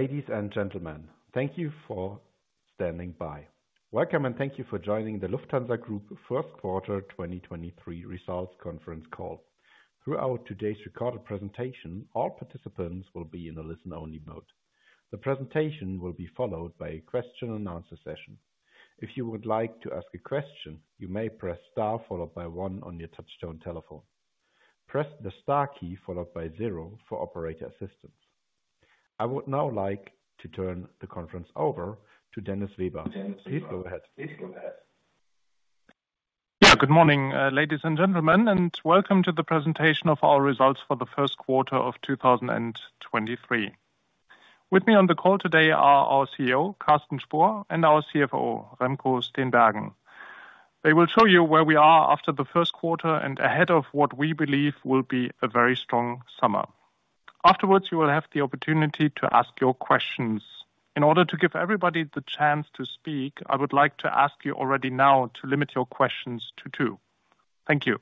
Ladies and gentlemen, thank you for standing by. Welcome, and thank you for joining the Lufthansa Group first quarter 2023 results conference call. Throughout today's recorded presentation, all participants will be in a listen-only mode. The presentation will be followed by a question and answer session. If you would like to ask a question, you may press Star followed by 1 on your touchtone telephone. Press the Star key followed by 0 for operator assistance. I would now like to turn the conference over to Dennis Weber. Dennis Weber, please go ahead. Good morning, ladies and gentlemen, and welcome to the presentation of our results for the first quarter of 2023. With me on the call today are our CEO, Carsten Spohr, and our CFO, Remco Steenbergen. They will show you where we are after the first quarter and ahead of what we believe will be a very strong summer. Afterwards, you will have the opportunity to ask your questions. In order to give everybody the chance to speak, I would like to ask you already now to limit your questions to 2. Thank you.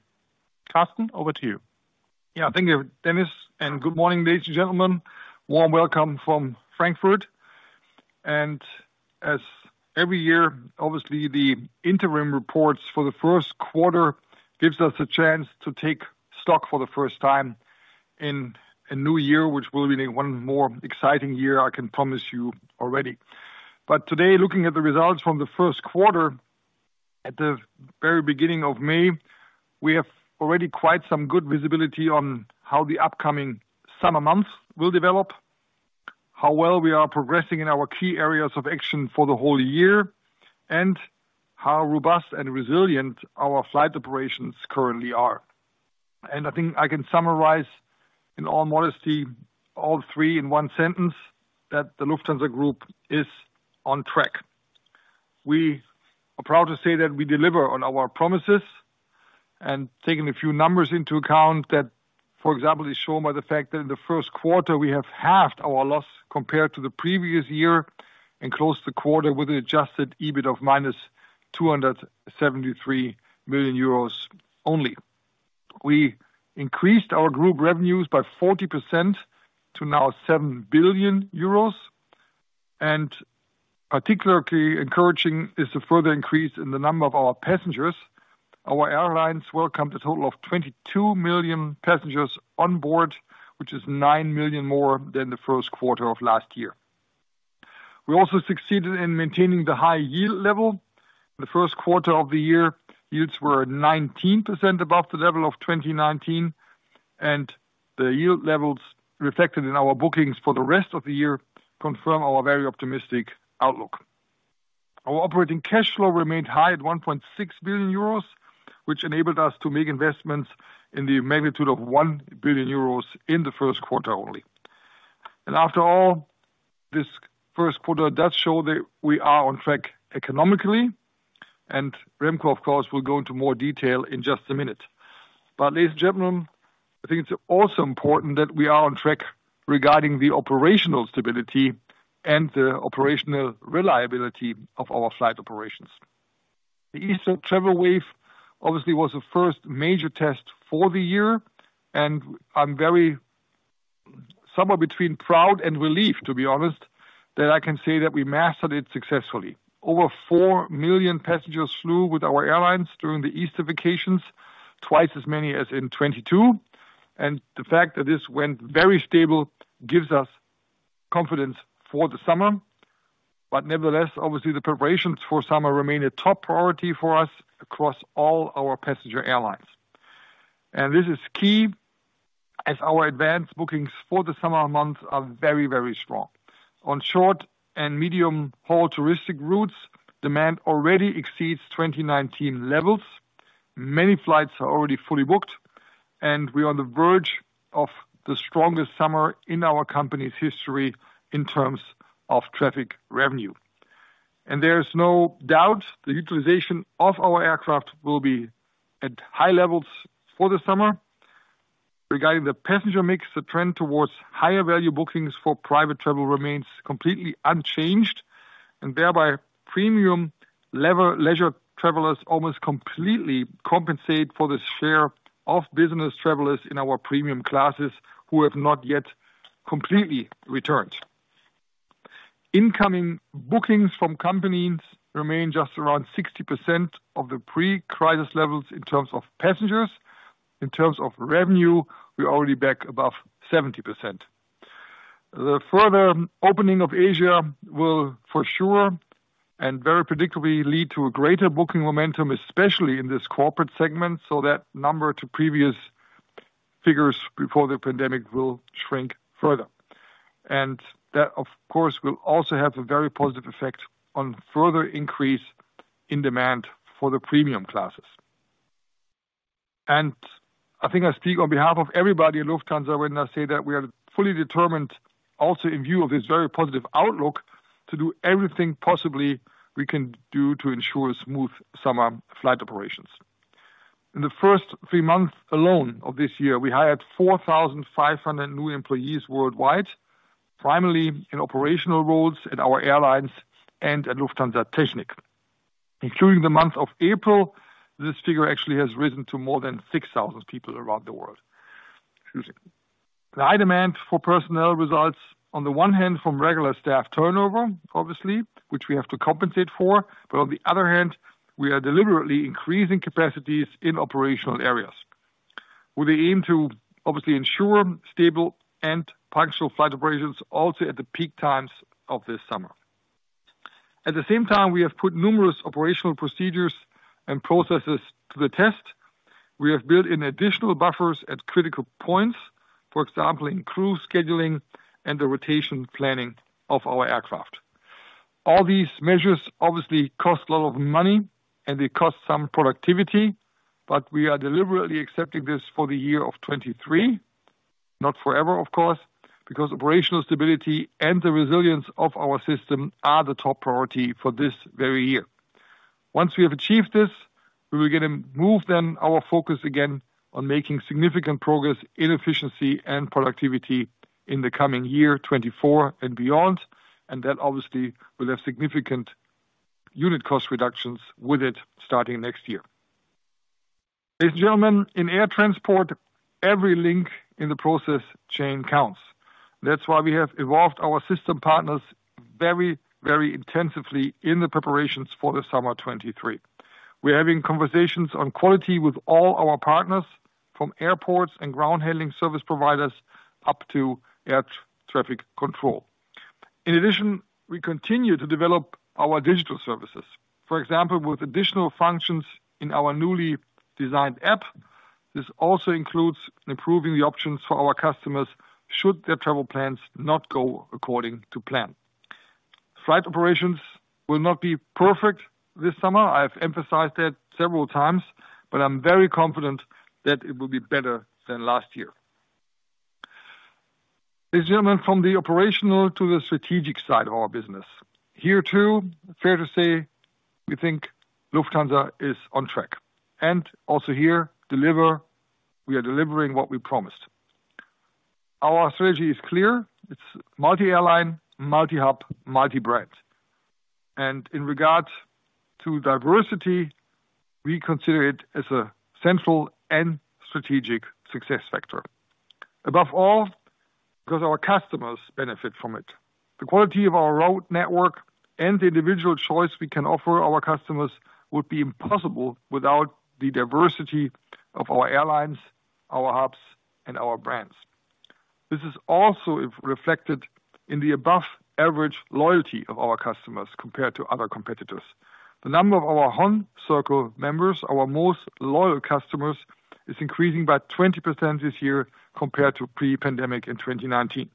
Carsten, over to you. Yeah. Thank you, Dennis, Good morning, ladies and gentlemen. Warm welcome from Frankfurt. As every year, obviously the interim reports for the first quarter gives us a chance to take stock for the first time in a new year, which will be one more exciting year, I can promise you already. Today, looking at the results from the first quarter, at the very beginning of May, we have already quite some good visibility on how the upcoming summer months will develop, how well we are progressing in our key areas of action for the whole year, and how robust and resilient our flight operations currently are. I think I can summarize, in all modesty, all three in one sentence, that the Lufthansa Group is on track. We are proud to say that we deliver on our promises. Taking a few numbers into account, that, for example, is shown by the fact that in the first quarter we have halved our loss compared to the previous year and closed the quarter with adjusted EBIT of minus 273 million euros only. We increased our group revenues by 40% to now 7 billion euros. Particularly encouraging is the further increase in the number of our passengers. Our airlines welcomed a total of 22 million passengers on board, which is 9 million more than the first quarter of last year. We also succeeded in maintaining the high yield level. The first quarter of the year, yields were 19% above the level of 2019. The yield levels reflected in our bookings for the rest of the year confirm our very optimistic outlook. Our operating cash flow remained high at 1.6 billion euros, which enabled us to make investments in the magnitude of 1 billion euros in the first quarter only. After all, this first quarter does show that we are on track economically, and Remco, of course, will go into more detail in just a minute. Ladies and gentlemen, I think it's also important that we are on track regarding the operational stability and the operational reliability of our flight operations. The Easter travel wave, obviously, was the first major test for the year, and I'm very somewhere between proud and relieved, to be honest, that I can say that we mastered it successfully. Over 4 million passengers flew with our airlines during the Easter vacations, twice as many as in 2022. The fact that this went very stable gives us confidence for the summer. Nevertheless, obviously the preparations for summer remain a top priority for us across all our passenger airlines. This is key as our advanced bookings for the summer months are very strong. On short and medium-haul touristic routes, demand already exceeds 2019 levels. Many flights are already fully booked, and we are on the verge of the strongest summer in our company's history in terms of traffic revenue. There is no doubt the utilization of our aircraft will be at high levels for the summer. Regarding the passenger mix, the trend towards higher value bookings for private travel remains completely unchanged, and thereby premium leisure travelers almost completely compensate for the share of business travelers in our premium classes who have not yet completely returned. Incoming bookings from companies remain just around 60% of the pre-crisis levels in terms of passengers. In terms of revenue, we're already back above 70%. The further opening of Asia will, for sure and very predictably, lead to a greater booking momentum, especially in this corporate segment, so that number to previous figures before the pandemic will shrink further. That, of course, will also have a very positive effect on further increase in demand for the premium classes. I think I speak on behalf of everybody at Lufthansa when I say that we are fully determined also in view of this very positive outlook, to do everything possibly we can do to ensure smooth summer flight operations. In the first three months alone of this year, we hired 4,500 new employees worldwide, primarily in operational roles at our airlines and at Lufthansa Technik. Including the month of April, this figure actually has risen to more than 6,000 people around the world. Excuse me. The high demand for personnel results on the one hand from regular staff turnover, obviously, which we have to compensate for, but on the other hand, we are deliberately increasing capacities in operational areas with the aim to obviously ensure stable and punctual flight operations also at the peak times of this summer. At the same time, we have put numerous operational procedures and processes to the test. We have built in additional buffers at critical points, for example, in crew scheduling and the rotation planning of our aircraft. All these measures obviously cost a lot of money, and they cost some productivity, but we are deliberately accepting this for the year of 2023, not forever, of course, because operational stability and the resilience of our system are the top priority for this very year. Once we have achieved this, we were going to move then our focus again on making significant progress in efficiency and productivity in the coming year, 2024 and beyond. That obviously will have significant unit cost reductions with it starting next year. Ladies and gentlemen, in air transport, every link in the process chain counts. That's why we have involved our system partners very, very intensively in the preparations for the summer 2023. We're having conversations on quality with all our partners, from airports and ground handling service providers up to air traffic control. In addition, we continue to develop our digital services. For example, with additional functions in our newly designed app. This also includes improving the options for our customers should their travel plans not go according to plan. Flight operations will not be perfect this summer. I've emphasized that several times, but I'm very confident that it will be better than last year. Ladies and gentlemen, from the operational to the strategic side of our business, here too, fair to say, we think Lufthansa is on track, and also here we are delivering what we promised. Our strategy is clear. It's multi-airline, multi-hub, multi-brand. In regard to diversity, we consider it as a central and strategic success factor, above all, because our customers benefit from it. The quality of our route network and the individual choice we can offer our customers would be impossible without the diversity of our airlines, our hubs, and our brands. This is also reflected in the above average loyalty of our customers compared to other competitors. The number of our HON Circle members, our most loyal customers, is increasing by 20% this year compared to pre-pandemic in 2019.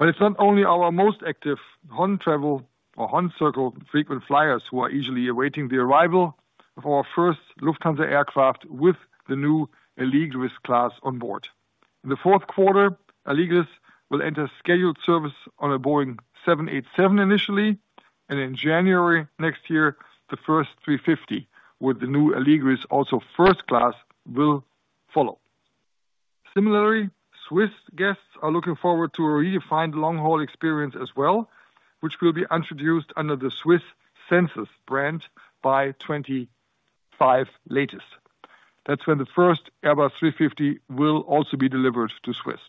It's not only our most active HON travel or HON Circle frequent flyers who are usually awaiting the arrival of our first Lufthansa aircraft with the new Allegris class on board. In the fourth quarter, Allegris will enter scheduled service on a Boeing 787 initially, and in January next year, the first A350 with the new Allegris, also first class, will follow. Similarly, SWISS guests are looking forward to a redefined long-haul experience as well, which will be introduced under the SWISS Senses brand by 2025 latest. That's when the first Airbus A350 will also be delivered to SWISS.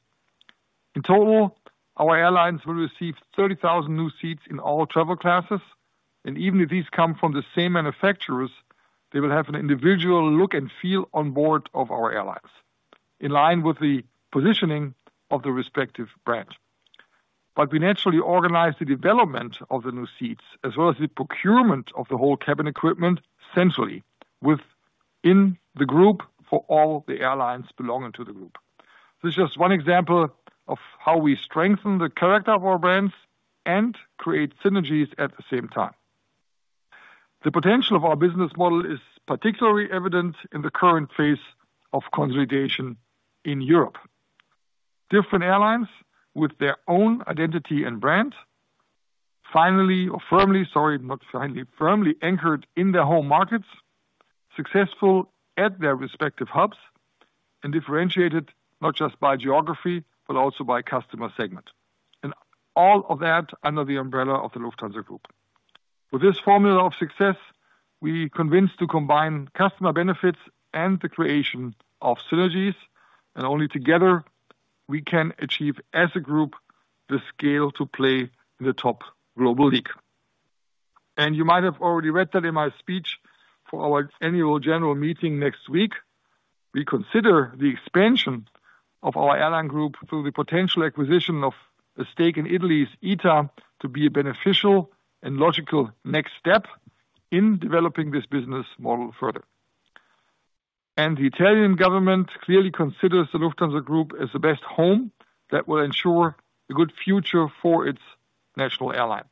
In total, our airlines will receive 30,000 new seats in all travel classes, and even if these come from the same manufacturers, they will have an individual look and feel on board of our airlines in line with the positioning of the respective brand. We naturally organize the development of the new seats as well as the procurement of the whole cabin equipment centrally within the group for all the airlines belonging to the group. This is just one example of how we strengthen the character of our brands and create synergies at the same time. The potential of our business model is particularly evident in the current phase of consolidation in Europe. Different airlines with their own identity and brand, firmly, sorry, not finally, firmly anchored in their home markets, successful at their respective hubs and differentiated not just by geography, but also by customer segment. All of that under the umbrella of the Lufthansa Group. With this formula of success, we convince to combine customer benefits and the creation of synergies. Only together we can achieve, as a group, the scale to play in the top global league. You might have already read that in my speech for our annual general meeting next week, we consider the expansion of our airline group through the potential acquisition of a stake in Italy's ITA to be a beneficial and logical next step in developing this business model further. The Italian government clearly considers the Lufthansa Group as the best home that will ensure a good future for its national airline.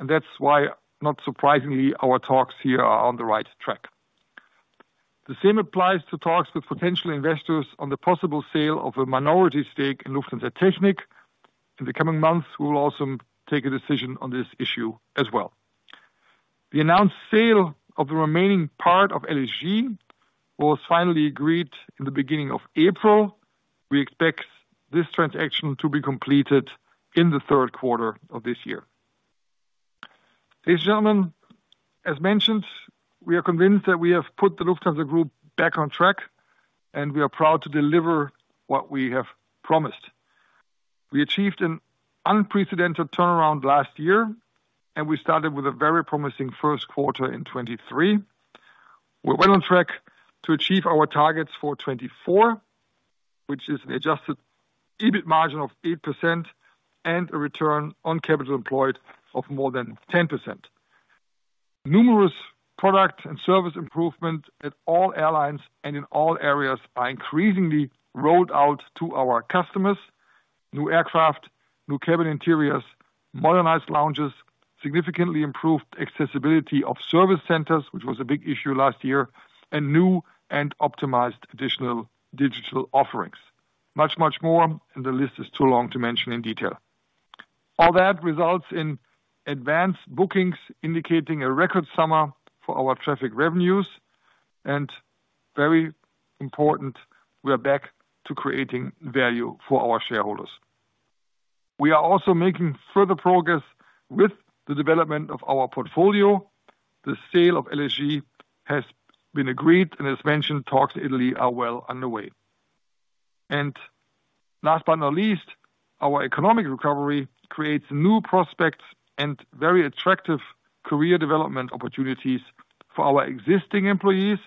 That's why, not surprisingly, our talks here are on the right track. The same applies to talks with potential investors on the possible sale of a minority stake in Lufthansa Technik. In the coming months, we'll also take a decision on this issue as well. The announced sale of the remaining part of LSG was finally agreed in the beginning of April. We expect this transaction to be completed in the third quarter of this year. Ladies and gentlemen, as mentioned, we are convinced that we have put the Lufthansa Group back on track, and we are proud to deliver what we have promised. We achieved an unprecedented turnaround last year, and we started with a very promising first quarter in 2023. We're well on track to achieve our targets for 2024, which is an adjusted EBIT margin of 8% and a return on capital employed of more than 10%. Numerous product and service improvement at all airlines and in all areas are increasingly rolled out to our customers. New aircraft, new cabin interiors, modernized lounges, significantly improved accessibility of service centers, which was a big issue last year, and new and optimized additional digital offerings. Much, much more, and the list is too long to mention in detail. All that results in advanced bookings, indicating a record summer for our traffic revenues. Very important, we are back to creating value for our shareholders. We are also making further progress with the development of our portfolio. The sale of LSG has been agreed and as mentioned, talks ITA Airways are well underway. Last but not least, our economic recovery creates new prospects and very attractive career development opportunities for our existing employees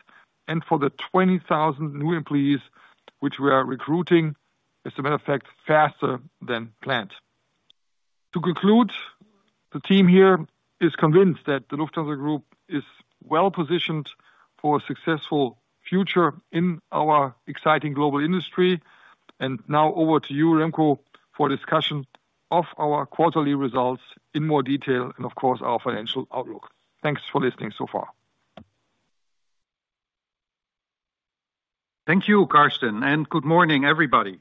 and for the 20,000 new employees which we are recruiting, as a matter of fact, faster than planned. To conclude, the team here is convinced that the Lufthansa Group is well-positioned for a successful future in our exciting global industry. Now over to you, Remco, for discussion of our quarterly results in more detail and of course, our financial outlook. Thanks for listening so far. Thank you, Carsten, and good morning, everybody.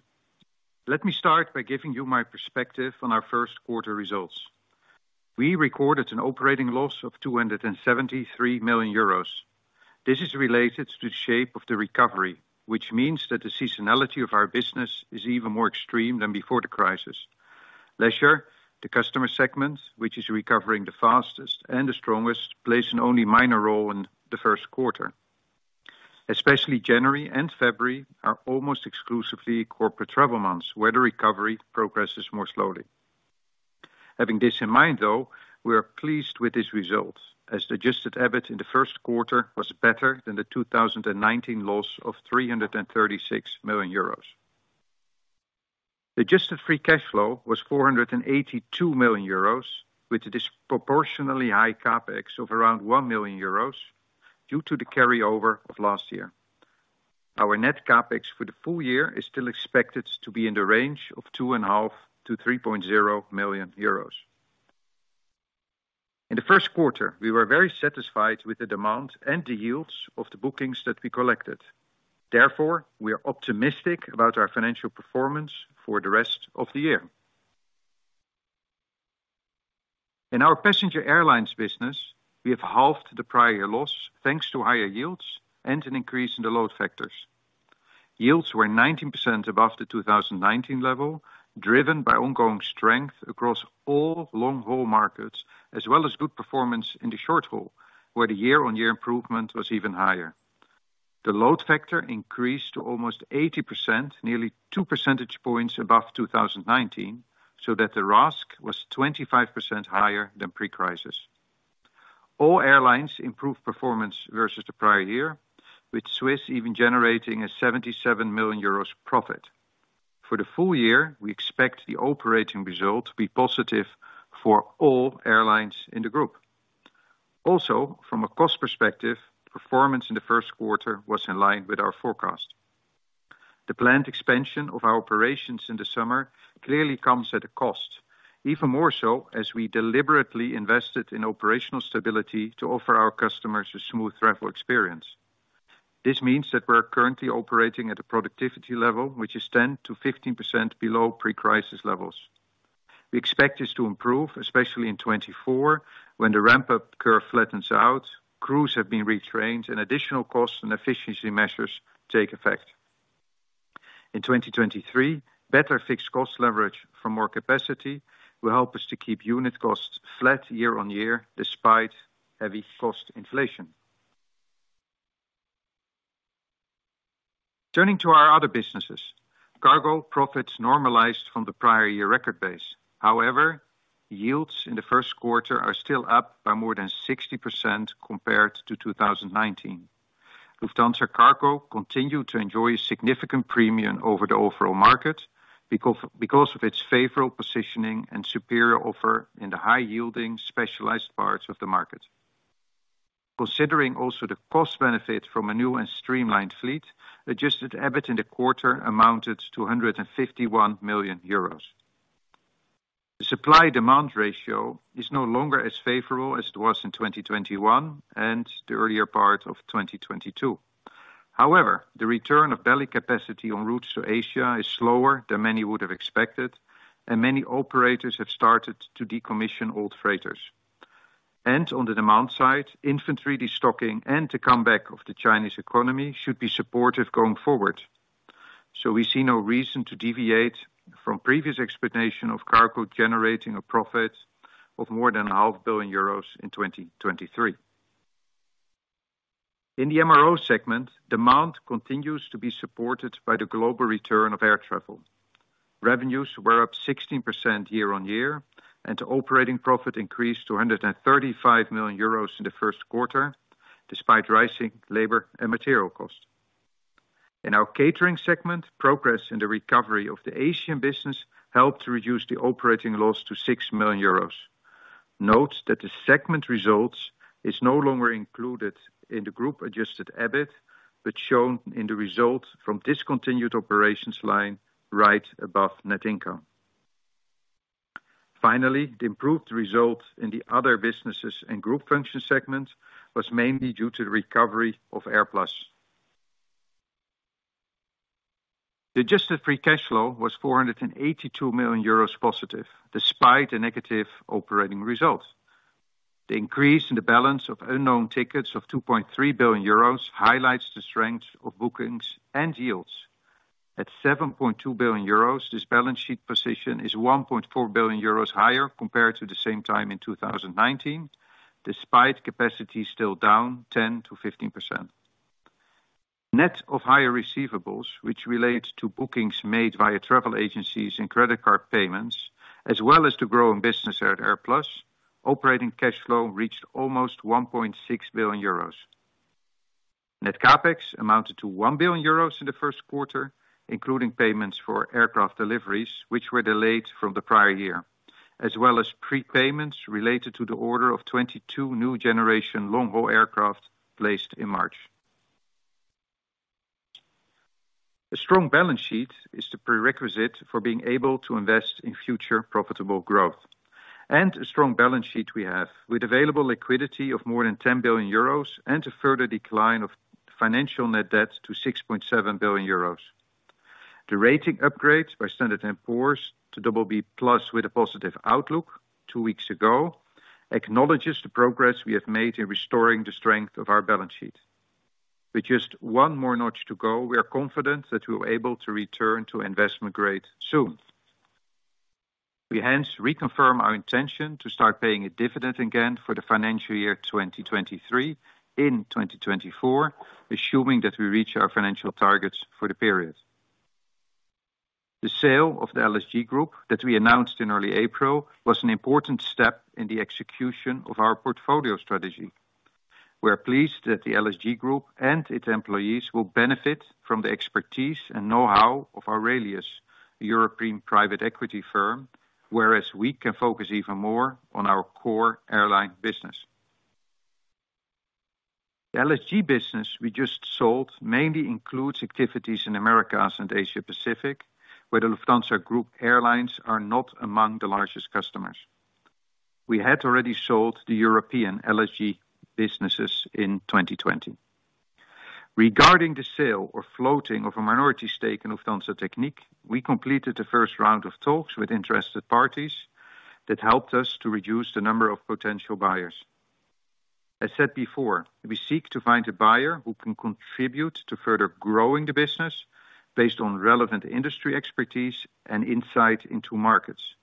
Let me start by giving you my perspective on our first quarter results. We recorded an operating loss of 273 million euros. This is related to the shape of the recovery, which means that the seasonality of our business is even more extreme than before the crisis. Leisure, the customer segment, which is recovering the fastest and the strongest, plays an only minor role in the first quarter. Especially January and February are almost exclusively corporate travel months, where the recovery progresses more slowly. Having this in mind, though, we are pleased with this result, as adjusted EBIT in the first quarter was better than the 2019 loss of 336 million euros. Adjusted free cash flow was 482 million euros, with a disproportionally high CapEx of around 1 million euros due to the carryover of last year. Our net CapEx for the full year is still expected to be in the range of 2.5 million-3.0 million euros. In the first quarter, we were very satisfied with the demand and the yields of the bookings that we collected. Therefore, we are optimistic about our financial performance for the rest of the year. In our passenger airlines business, we have halved the prior year loss thanks to higher yields and an increase in the load factors. Yields were 19% above the 2019 level, driven by ongoing strength across all long-haul markets, as well as good performance in the short haul, where the year-on-year improvement was even higher. The load factor increased to almost 80%, nearly 2 percentage points above 2019. The RASK was 25% higher than pre-crisis. All airlines improved performance versus the prior year, with SWISS even generating a 77 million euros profit. For the full year, we expect the operating result to be positive for all airlines in the group. Also, from a cost perspective, performance in the first quarter was in line with our forecast. The planned expansion of our operations in the summer clearly comes at a cost, even more so as we deliberately invested in operational stability to offer our customers a smooth travel experience. This means that we're currently operating at a productivity level which is 10%-15% below pre-crisis levels. We expect this to improve, especially in 2024, when the ramp-up curve flattens out, crews have been retrained, and additional costs and efficiency measures take effect. In 2023, better fixed cost leverage from more capacity will help us to keep unit costs flat year-on-year despite heavy cost inflation. Turning to our other businesses, cargo profits normalized from the prior year record base. However, yields in the first quarter are still up by more than 60% compared to 2019. Lufthansa Cargo continued to enjoy a significant premium over the overall market because of its favorable positioning and superior offer in the high-yielding specialized parts of the market. Considering also the cost benefit from a new and streamlined fleet, adjusted EBIT in the quarter amounted to 151 million euros. The supply-demand ratio is no longer as favorable as it was in 2021 and the earlier part of 2022. However, the return of belly capacity on routes to Asia is slower than many would have expected, and many operators have started to decommission old freighters. On the demand side, inventory destocking and the comeback of the Chinese economy should be supportive going forward. We see no reason to deviate from previous explanation of cargo generating a profit of more than a half billion euros in 2023. In the MRO segment, demand continues to be supported by the global return of air travel. Revenues were up 16% year-over-year, and operating profit increased to 135 million euros in the first quarter, despite rising labor and material costs. In our catering segment, progress in the recovery of the Asian business helped reduce the operating loss to 6 million euros. Note that the segment results is no longer included in the group adjusted EBIT, but shown in the results from discontinued operations line right above net income. The improved results in the other businesses and group function segment was mainly due to the recovery of AirPlus. The adjusted free cash flow was 482 million euros positive, despite a negative operating result. The increase in the balance of unknown tickets of 2.3 billion euros highlights the strength of bookings and yields. At 7.2 billion euros, this balance sheet position is 1.4 billion euros higher compared to the same time in 2019, despite capacity still down 10%-15%. Net of higher receivables, which relate to bookings made via travel agencies and credit card payments, as well as to grow in business at AirPlus, operating cash flow reached almost 1.6 billion euros. Net CapEx amounted to 1 billion euros in the first quarter, including payments for aircraft deliveries, which were delayed from the prior year, as well as prepayments related to the order of 22 new generation long-haul aircraft placed in March. A strong balance sheet is the prerequisite for being able to invest in future profitable growth. A strong balance sheet we have, with available liquidity of more than 10 billion euros and a further decline of financial net debt to 6.7 billion euros. The rating upgrade by Standard & Poor's to double B plus with a positive outlook two weeks ago acknowledges the progress we have made in restoring the strength of our balance sheet. With just one more notch to go, we are confident that we're able to return to investment grade soon. We hence reconfirm our intention to start paying a dividend again for the financial year 2023 in 2024, assuming that we reach our financial targets for the period. The sale of the LSG Group that we announced in early April was an important step in the execution of our portfolio strategy. We are pleased that the LSG Group and its employees will benefit from the expertise and know-how of AURELIUS, the European private equity firm, whereas we can focus even more on our core airline business. The LSG business we just sold mainly includes activities in Americas and Asia Pacific, where the Lufthansa Group airlines are not among the largest customers. We had already sold the European LSG businesses in 2020. Regarding the sale or floating of a minority stake in Lufthansa Technik, we completed the first round of talks with interested parties that helped us to reduce the number of potential buyers. As said before, we seek to find a buyer who can contribute to further growing the business based on relevant industry expertise and insight into markets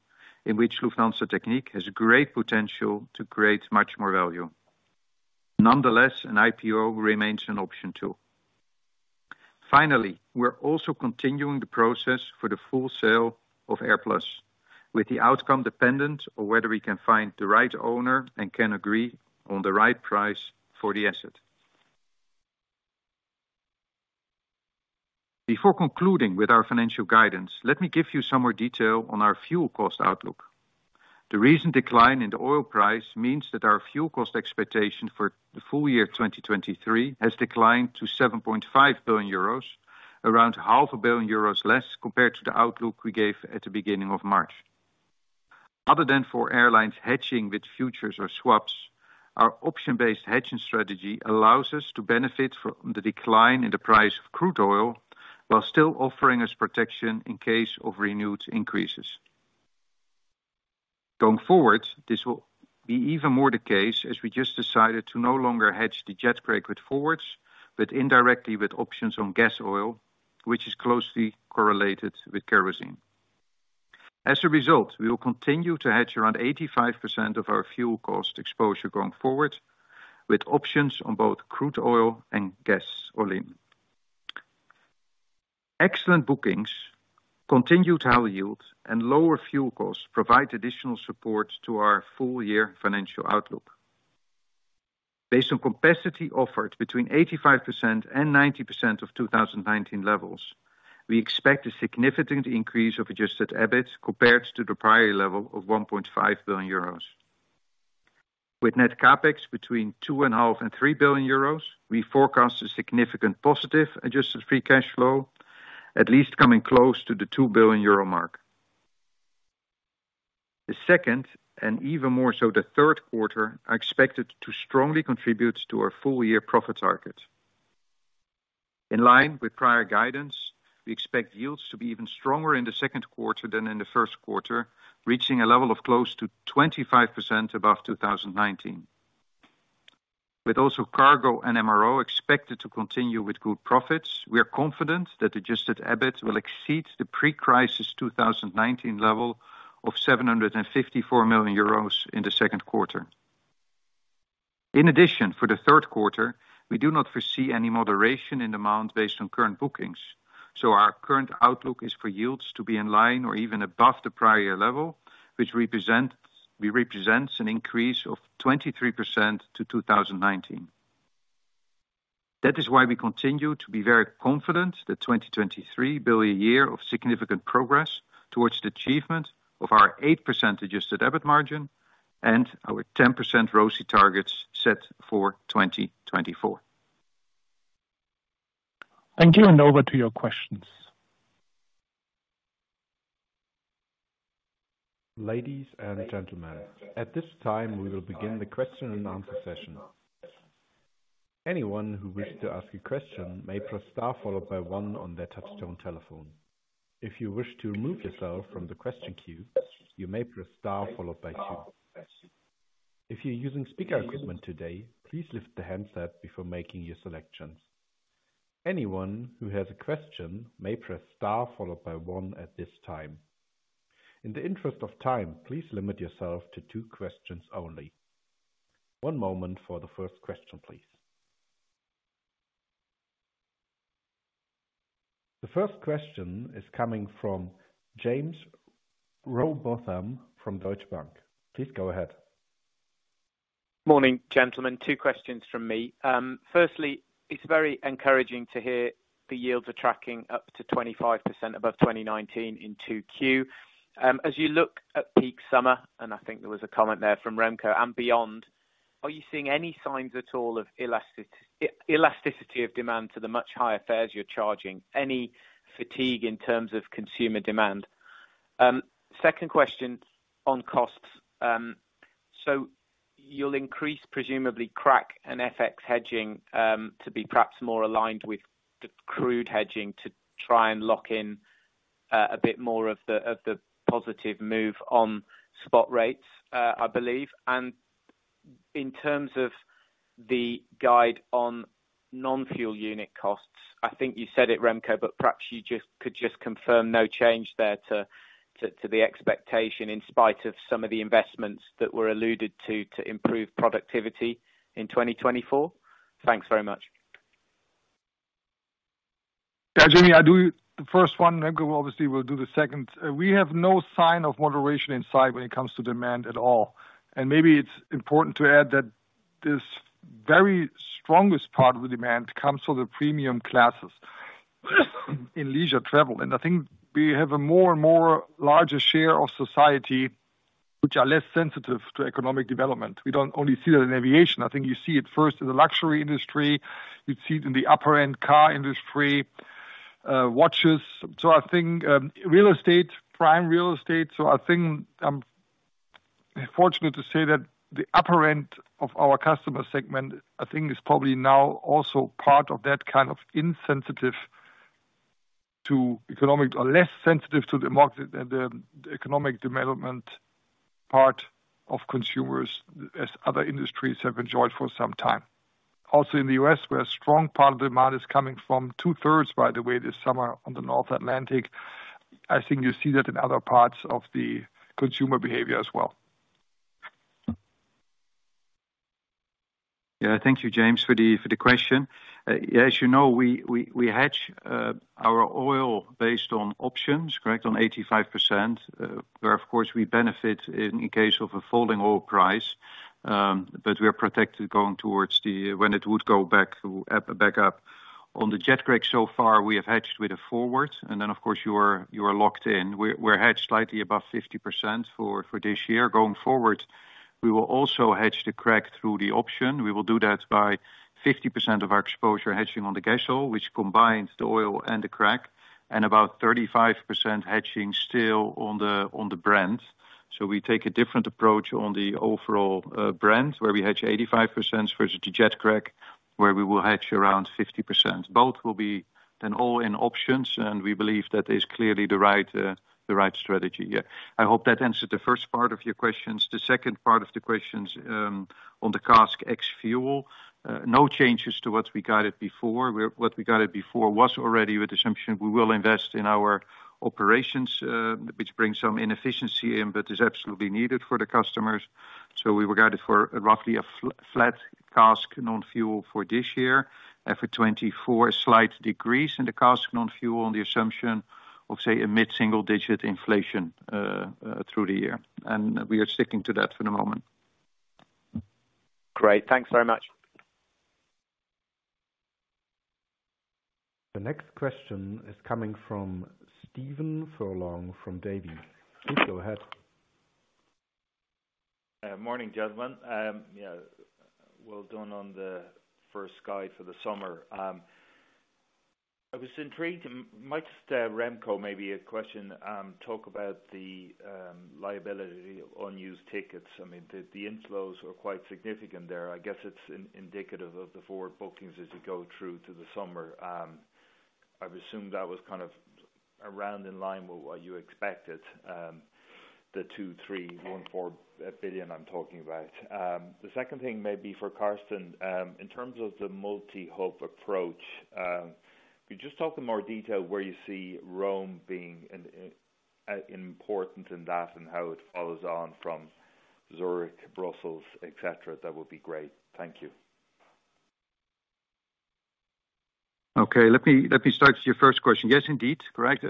in which Lufthansa Technik has great potential to create much more value. Nonetheless, an IPO remains an option too. Finally, we're also continuing the process for the full sale of AirPlus, with the outcome dependent on whether we can find the right owner and can agree on the right price for the asset. Before concluding with our financial guidance, let me give you some more detail on our fuel cost outlook. The recent decline in the oil price means that our fuel cost expectation for the full year 2023 has declined to 7.5 billion euros, around half a billion euros less compared to the outlook we gave at the beginning of March. Other than for airlines hedging with futures or swaps, our option-based hedging strategy allows us to benefit from the decline in the price of crude oil while still offering us protection in case of renewed increases. Going forward, this will be even more the case as we just decided to no longer hedge the jet crack spread with forwards, but indirectly with options on gasoil, which is closely correlated with kerosene. As a result, we will continue to hedge around 85% of our fuel cost exposure going forward with options on both crude oil and gasoil. Excellent bookings, continued high yields, and lower fuel costs provide additional support to our full year financial outlook. Based on capacity offered between 85%-90% of 2019 levels, we expect a significant increase of adjusted EBIT compared to the prior level of 1.5 billion euros. With net CapEx between 2.5 billion-3 billion euros, we forecast a significant positive adjusted free cash flow, at least coming close to the 2 billion euro mark. The second, and even more so, the third quarter, are expected to strongly contribute to our full year profit target. In line with prior guidance, we expect yields to be even stronger in the second quarter than in the first quarter, reaching a level of close to 25% above 2019. With also cargo and MRO expected to continue with good profits, we are confident that adjusted EBIT will exceed the pre-crisis 2019 level of EUR 754 million in the second quarter. In addition, for the third quarter, we do not foresee any moderation in demand based on current bookings. Our current outlook is for yields to be in line or even above the prior level, which represents an increase of 23% to 2019. That is why we continue to be very confident that 2023 will be a year of significant progress towards the achievement of our 8% adjusted EBIT margin and our 10% ROCE targets set for 2024. Thank you. Over to your questions. Ladies and gentlemen, at this time, we will begin the question and answer session. Anyone who wished to ask a question may press star followed by 1 on their touchtone telephone. If you wish to remove yourself from the question queue, you may press star followed by 2. If you're using speaker equipment today, please lift the handset before making your selections. Anyone who has a question may press star followed by 1 at this time. In the interest of time, please limit yourself to 2 questions only. One moment for the first question, please. The first question is coming from Jaime Rowbotham from Deutsche Bank. Please go ahead. Morning, gentlemen. 2 questions from me. Firstly, it's very encouraging to hear the yields are tracking up to 25% above 2019 in 2Q. As you look at peak summer, and I think there was a comment there from Remco and beyond, are you seeing any signs at all of elasticity of demand to the much higher fares you're charging? Any fatigue in terms of consumer demand? Second question on costs. You'll increase presumably crack and FX hedging to be perhaps more aligned with the crude hedging to try and lock in a bit more of the, of the positive move on spot rates, I believe. In terms of the guide on non-fuel unit costs, I think you said it, Remco, but perhaps you just could just confirm no change there to the expectation in spite of some of the investments that were alluded to improve productivity in 2024. Thanks very much. Yeah, Jimmy, I do the first one, then obviously we'll do the second. We have no sign of moderation in sight when it comes to demand at all. Maybe it's important to add that this very strongest part of the demand comes from the premium classes in leisure travel. I think we have a more and more larger share of society which are less sensitive to economic development. We don't only see that in aviation. I think you see it first in the luxury industry. You'd see it in the upper end car industry, watches. I think, real estate, prime real estate. I think I'm fortunate to say that the upper end of our customer segment, I think, is probably now also part of that kind of insensitive to economic or less sensitive to the market and the economic development part of consumers as other industries have enjoyed for some time. Also in the U.S., where a strong part of demand is coming from two-thirds by the way, this summer on the North Atlantic, I think you see that in other parts of the consumer behavior as well. Thank you, Jaime, for the question. As you know, we hedge our oil based on options, correct, on 85%. Of course we benefit in case of a falling oil price, we are protected when it would go back up. On the jet crack so far, we have hedged with a forward, of course, you are locked in. We're hedged slightly above 50% for this year. Going forward, we will also hedge the crack through the option. We will do that by 50% of our exposure hedging on the gasoil, which combines the oil and the crack, about 35% hedging still on the brand. We take a different approach on the overall brand, where we hedge 85% versus the jet crack, where we will hedge around 50%. Both will be then all-in options, and we believe that is clearly the right, the right strategy. Yeah, I hope that answers the first part of your questions. The second part of the questions on the CASK ex fuel, no changes to what we guided before. What we guided before was already with assumption we will invest in our operations, which brings some inefficiency in, but is absolutely needed for the customers. We regarded for roughly a flat CASK non-fuel for this year. For 2024, a slight decrease in the CASK non-fuel on the assumption of, say, a mid-single digit inflation through the year. We are sticking to that for the moment. Great. Thanks very much. The next question is coming from Stephen Furlong from Davy. Please go ahead. Morning, gentlemen. Yeah, well done on the first guide for the summer. I was intrigued, might ask Remco maybe a question, talk about the liability of unused tickets. I mean the inflows are quite significant there. I guess it's indicative of the forward bookings as you go through to the summer. I've assumed that was kind of around in line with what you expected, the 2.314 billion I'm talking about. The second thing may be for Carsten. In terms of the multi-hub approach, could you just talk in more detail where you see Rome being important in that and how it follows on from Zurich, Brussels, et cetera? That would be great. Thank you. Okay. Let me start with your first question. Yes, indeed. Correct.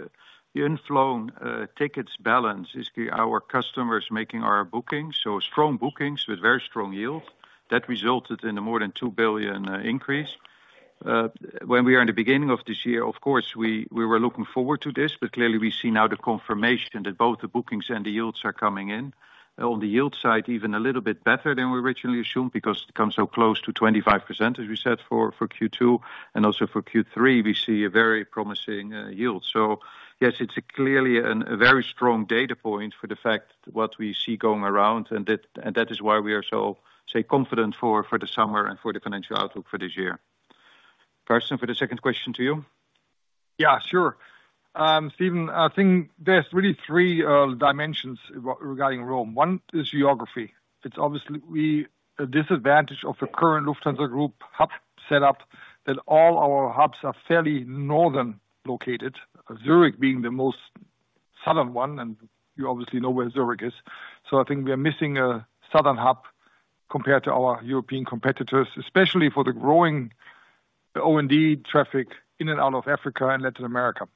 The unflown tickets balance is our customers making our bookings. Strong bookings with very strong yield that resulted in a more than 2 billion increase. When we are in the beginning of this year, of course, we were looking forward to this, but clearly we see now the confirmation that both the bookings and the yields are coming in. On the yield side, even a little bit better than we originally assumed because it comes so close to 25%, as we said, for Q2 and also for Q3, we see a very promising yield. Yes, it's clearly a very strong data point for the fact what we see going around, and that is why we are so, say, confident for the summer and for the financial outlook for this year. Carsten, for the second question to you. Yeah, sure. Stephen, I think there's really three dimensions regarding Rome. One is geography. It's obviously a disadvantage of the current Lufthansa Group hub setup that all our hubs are fairly northern located, Zurich being the most southern one, and you obviously know where Zurich is. I think we are missing a southern hub compared to our European competitors, especially for the growing O&D traffic in and out of Africa and Latin America.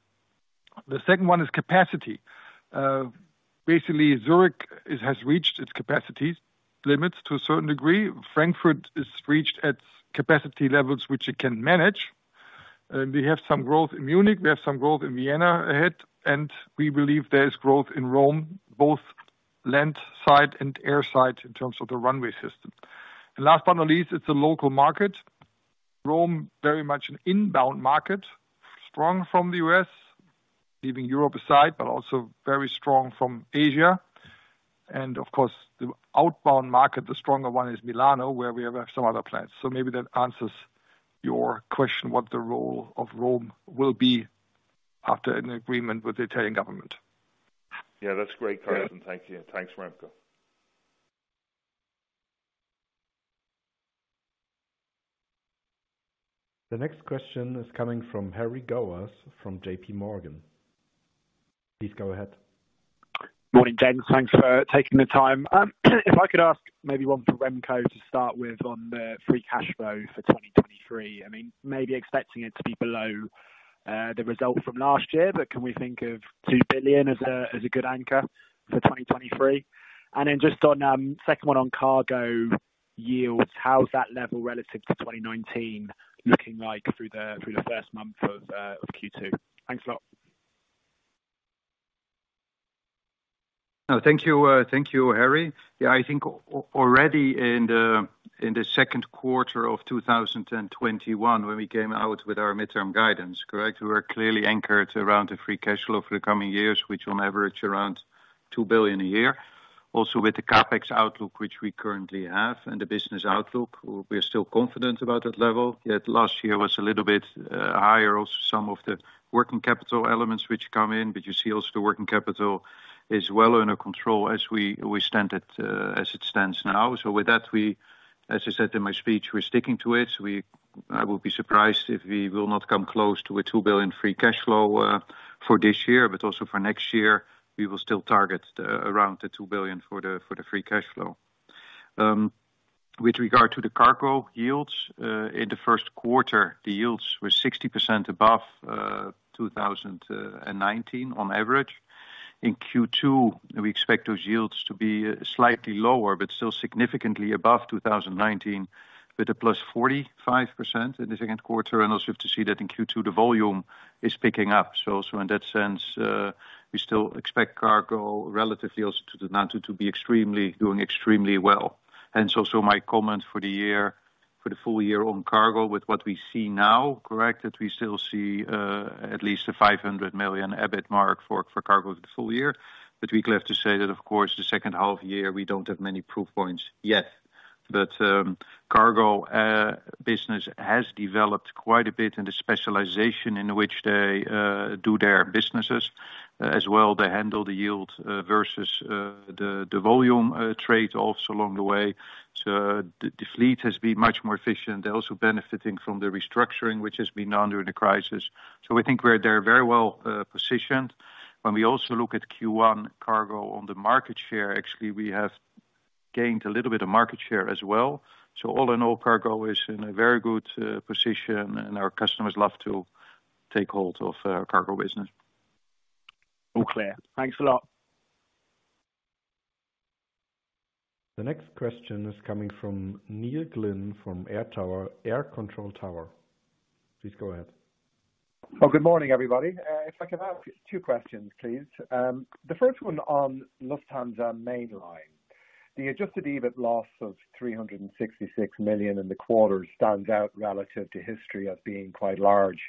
The second one is capacity. Basically, Zurich has reached its capacity limits to a certain degree. Frankfurt is reached at capacity levels, which it can manage. We have some growth in Munich, we have some growth in Vienna ahead, and we believe there is growth in Rome, both land side and air side in terms of the runway system. Last but not least, it's a local market. Rome, very much an inbound market, strong from the US, leaving Europe aside, but also very strong from Asia. Of course, the outbound market, the stronger one is Milano, where we have some other plans. Maybe that answers your question, what the role of Rome will be after an agreement with the Italian government. Yeah, that's great, Carsten. Thank you. Thanks, Remco. The next question is coming from Harry Gowers from JPMorgan. Please go ahead. Morning, gents. Thanks for taking the time. If I could ask maybe one for Remco to start with on the free cash flow for 2023. I mean, maybe expecting it to be below the result from last year, but can we think of 2 billion as a good anchor for 2023? Just on, second one on cargo yields, how's that level relative to 2019 looking like through the first month of Q2? Thanks a lot. No, thank you, thank you, Harry. Yeah, I think already in the second quarter of 2021 when we came out with our midterm guidance, correct? We were clearly anchored around the free cash flow for the coming years, which will average around 2 billion a year. With the CapEx outlook, which we currently have, and the business outlook, we're still confident about that level, yet last year was a little bit higher. Some of the working capital elements which come in, but you see also the working capital is well under control as we stand it, as it stands now. With that, we, as I said in my speech, we're sticking to it. I will be surprised if we will not come close to 2 billion free cash flow for this year, but also for next year, we will still target around 2 billion for the free cash flow. With regard to the cargo yields, in the first quarter, the yields were 60% above 2019 on average. In Q2, we expect those yields to be slightly lower, but still significantly above 2019, with a +45% in Q2. Also have to see that in Q2, the volume is picking up. So in that sense, we still expect cargo relatively also to the 2022 doing extremely well. My comment for the year, for the full year on cargo with what we see now, correct? We still see at least a 500 million EBIT mark for cargo for the full year. We have to say that of course the second half year we don't have many proof points yet. Cargo business has developed quite a bit in the specialization in which they do their businesses, as well they handle the yield versus the volume trade also along the way. The fleet has been much more efficient. They're also benefiting from the restructuring which has been done during the crisis. We think they're very well positioned. We also look at Q1 cargo on the market share, actually, we have gained a little bit of market share as well. All in all, cargo is in a very good position and our customers love to take hold of cargo business. All clear. Thanks a lot. The next question is coming from Neil Glynn from Air Control Tower. Please go ahead. Good morning, everybody. If I could ask 2 questions, please. The first one on Lufthansa Passage. The adjusted EBIT loss of 366 million in the quarter stands out relative to history as being quite large.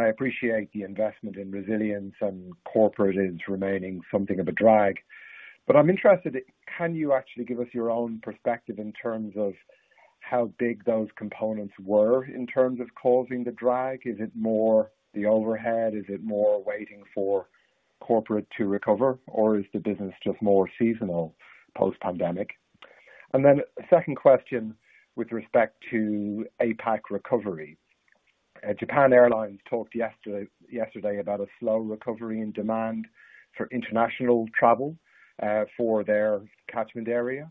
I appreciate the investment in resilience and corporate is remaining something of a drag. I'm interested, can you actually give us your own perspective in terms of how big those components were in terms of causing the drag? Is it more the overhead? Is it more waiting for corporate to recover? Is the business just more seasonal post-pandemic? Second question with respect to APAC recovery. Japan Airlines talked yesterday about a slow recovery in demand for international travel for their catchment area.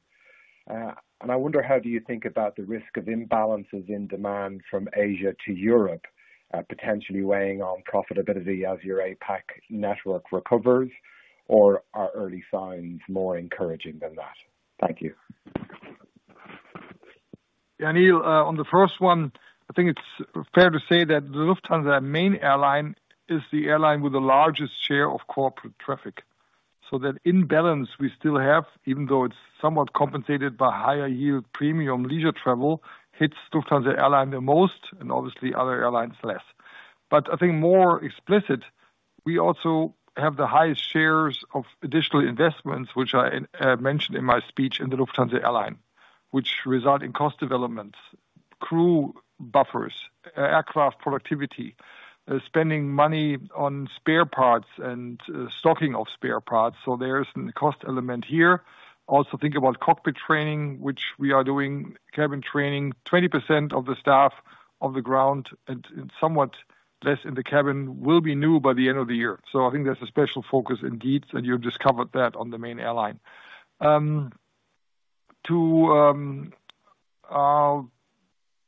I wonder, how do you think about the risk of imbalances in demand from Asia to Europe, potentially weighing on profitability as your APAC network recovers? Are early signs more encouraging than that? Thank you. Yeah, Neil, on the first one, I think it's fair to say that the Lufthansa main airline is the airline with the largest share of corporate traffic. That imbalance we still have, even though it's somewhat compensated by higher yield premium leisure travel, hits Lufthansa airline the most, and obviously other airlines less. I think more explicit, we also have the highest shares of additional investments, which I mentioned in my speech in the Lufthansa airline, which result in cost developments, crew buffers, aircraft productivity, spending money on spare parts and stocking of spare parts. There's a cost element here. Also think about cockpit training, which we are doing cabin training. 20% of the staff on the ground and somewhat less in the cabin will be new by the end of the year. I think that's a special focus indeed, and you've discovered that on the main airline. To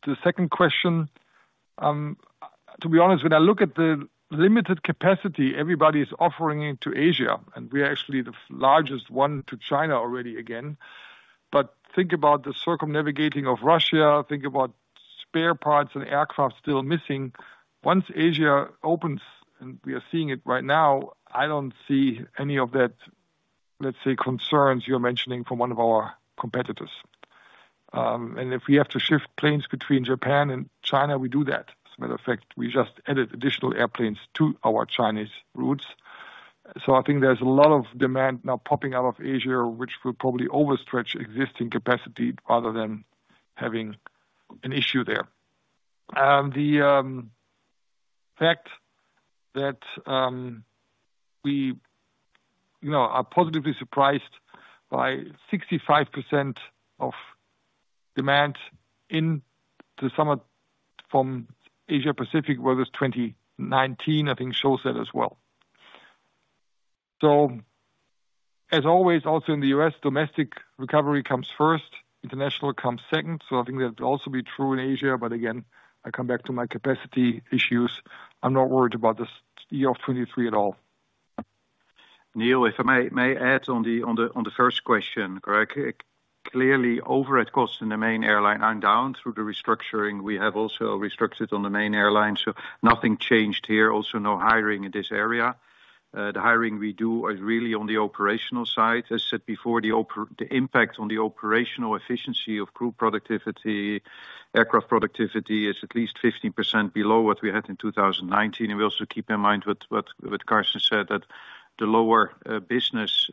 the second question, to be honest, when I look at the limited capacity everybody is offering into Asia, and we are actually the largest one to China already again, but think about the circumnavigating of Russia, think about spare parts and aircraft still missing. Once Asia opens, and we are seeing it right now, I don't see any of that, let's say, concerns you're mentioning from one of our competitors. If we have to shift planes between Japan and China, we do that. As a matter of fact, we just added additional airplanes to our Chinese routes. I think there's a lot of demand now popping out of Asia, which will probably overstretch existing capacity rather than having an issue there. The fact that we, you know, are positively surprised by 65% of demand in the summer from Asia-Pacific, where there's 2019, I think shows that as well. As always, also in the U.S., domestic recovery comes first, international comes second. I think that also be true in Asia, but again, I come back to my capacity issues. I'm not worried about this year of 2023 at all. Neil, if I may add on the first question, correct? Clearly, overhead costs in the main airline are down through the restructuring. We have also restructured on the main airline, so nothing changed here. Also, no hiring in this area. The hiring we do are really on the operational side. As said before, the impact on the operational efficiency of crew productivity, aircraft productivity is at least 15% below what we had in 2019. We also keep in mind what Carsten said that the lower business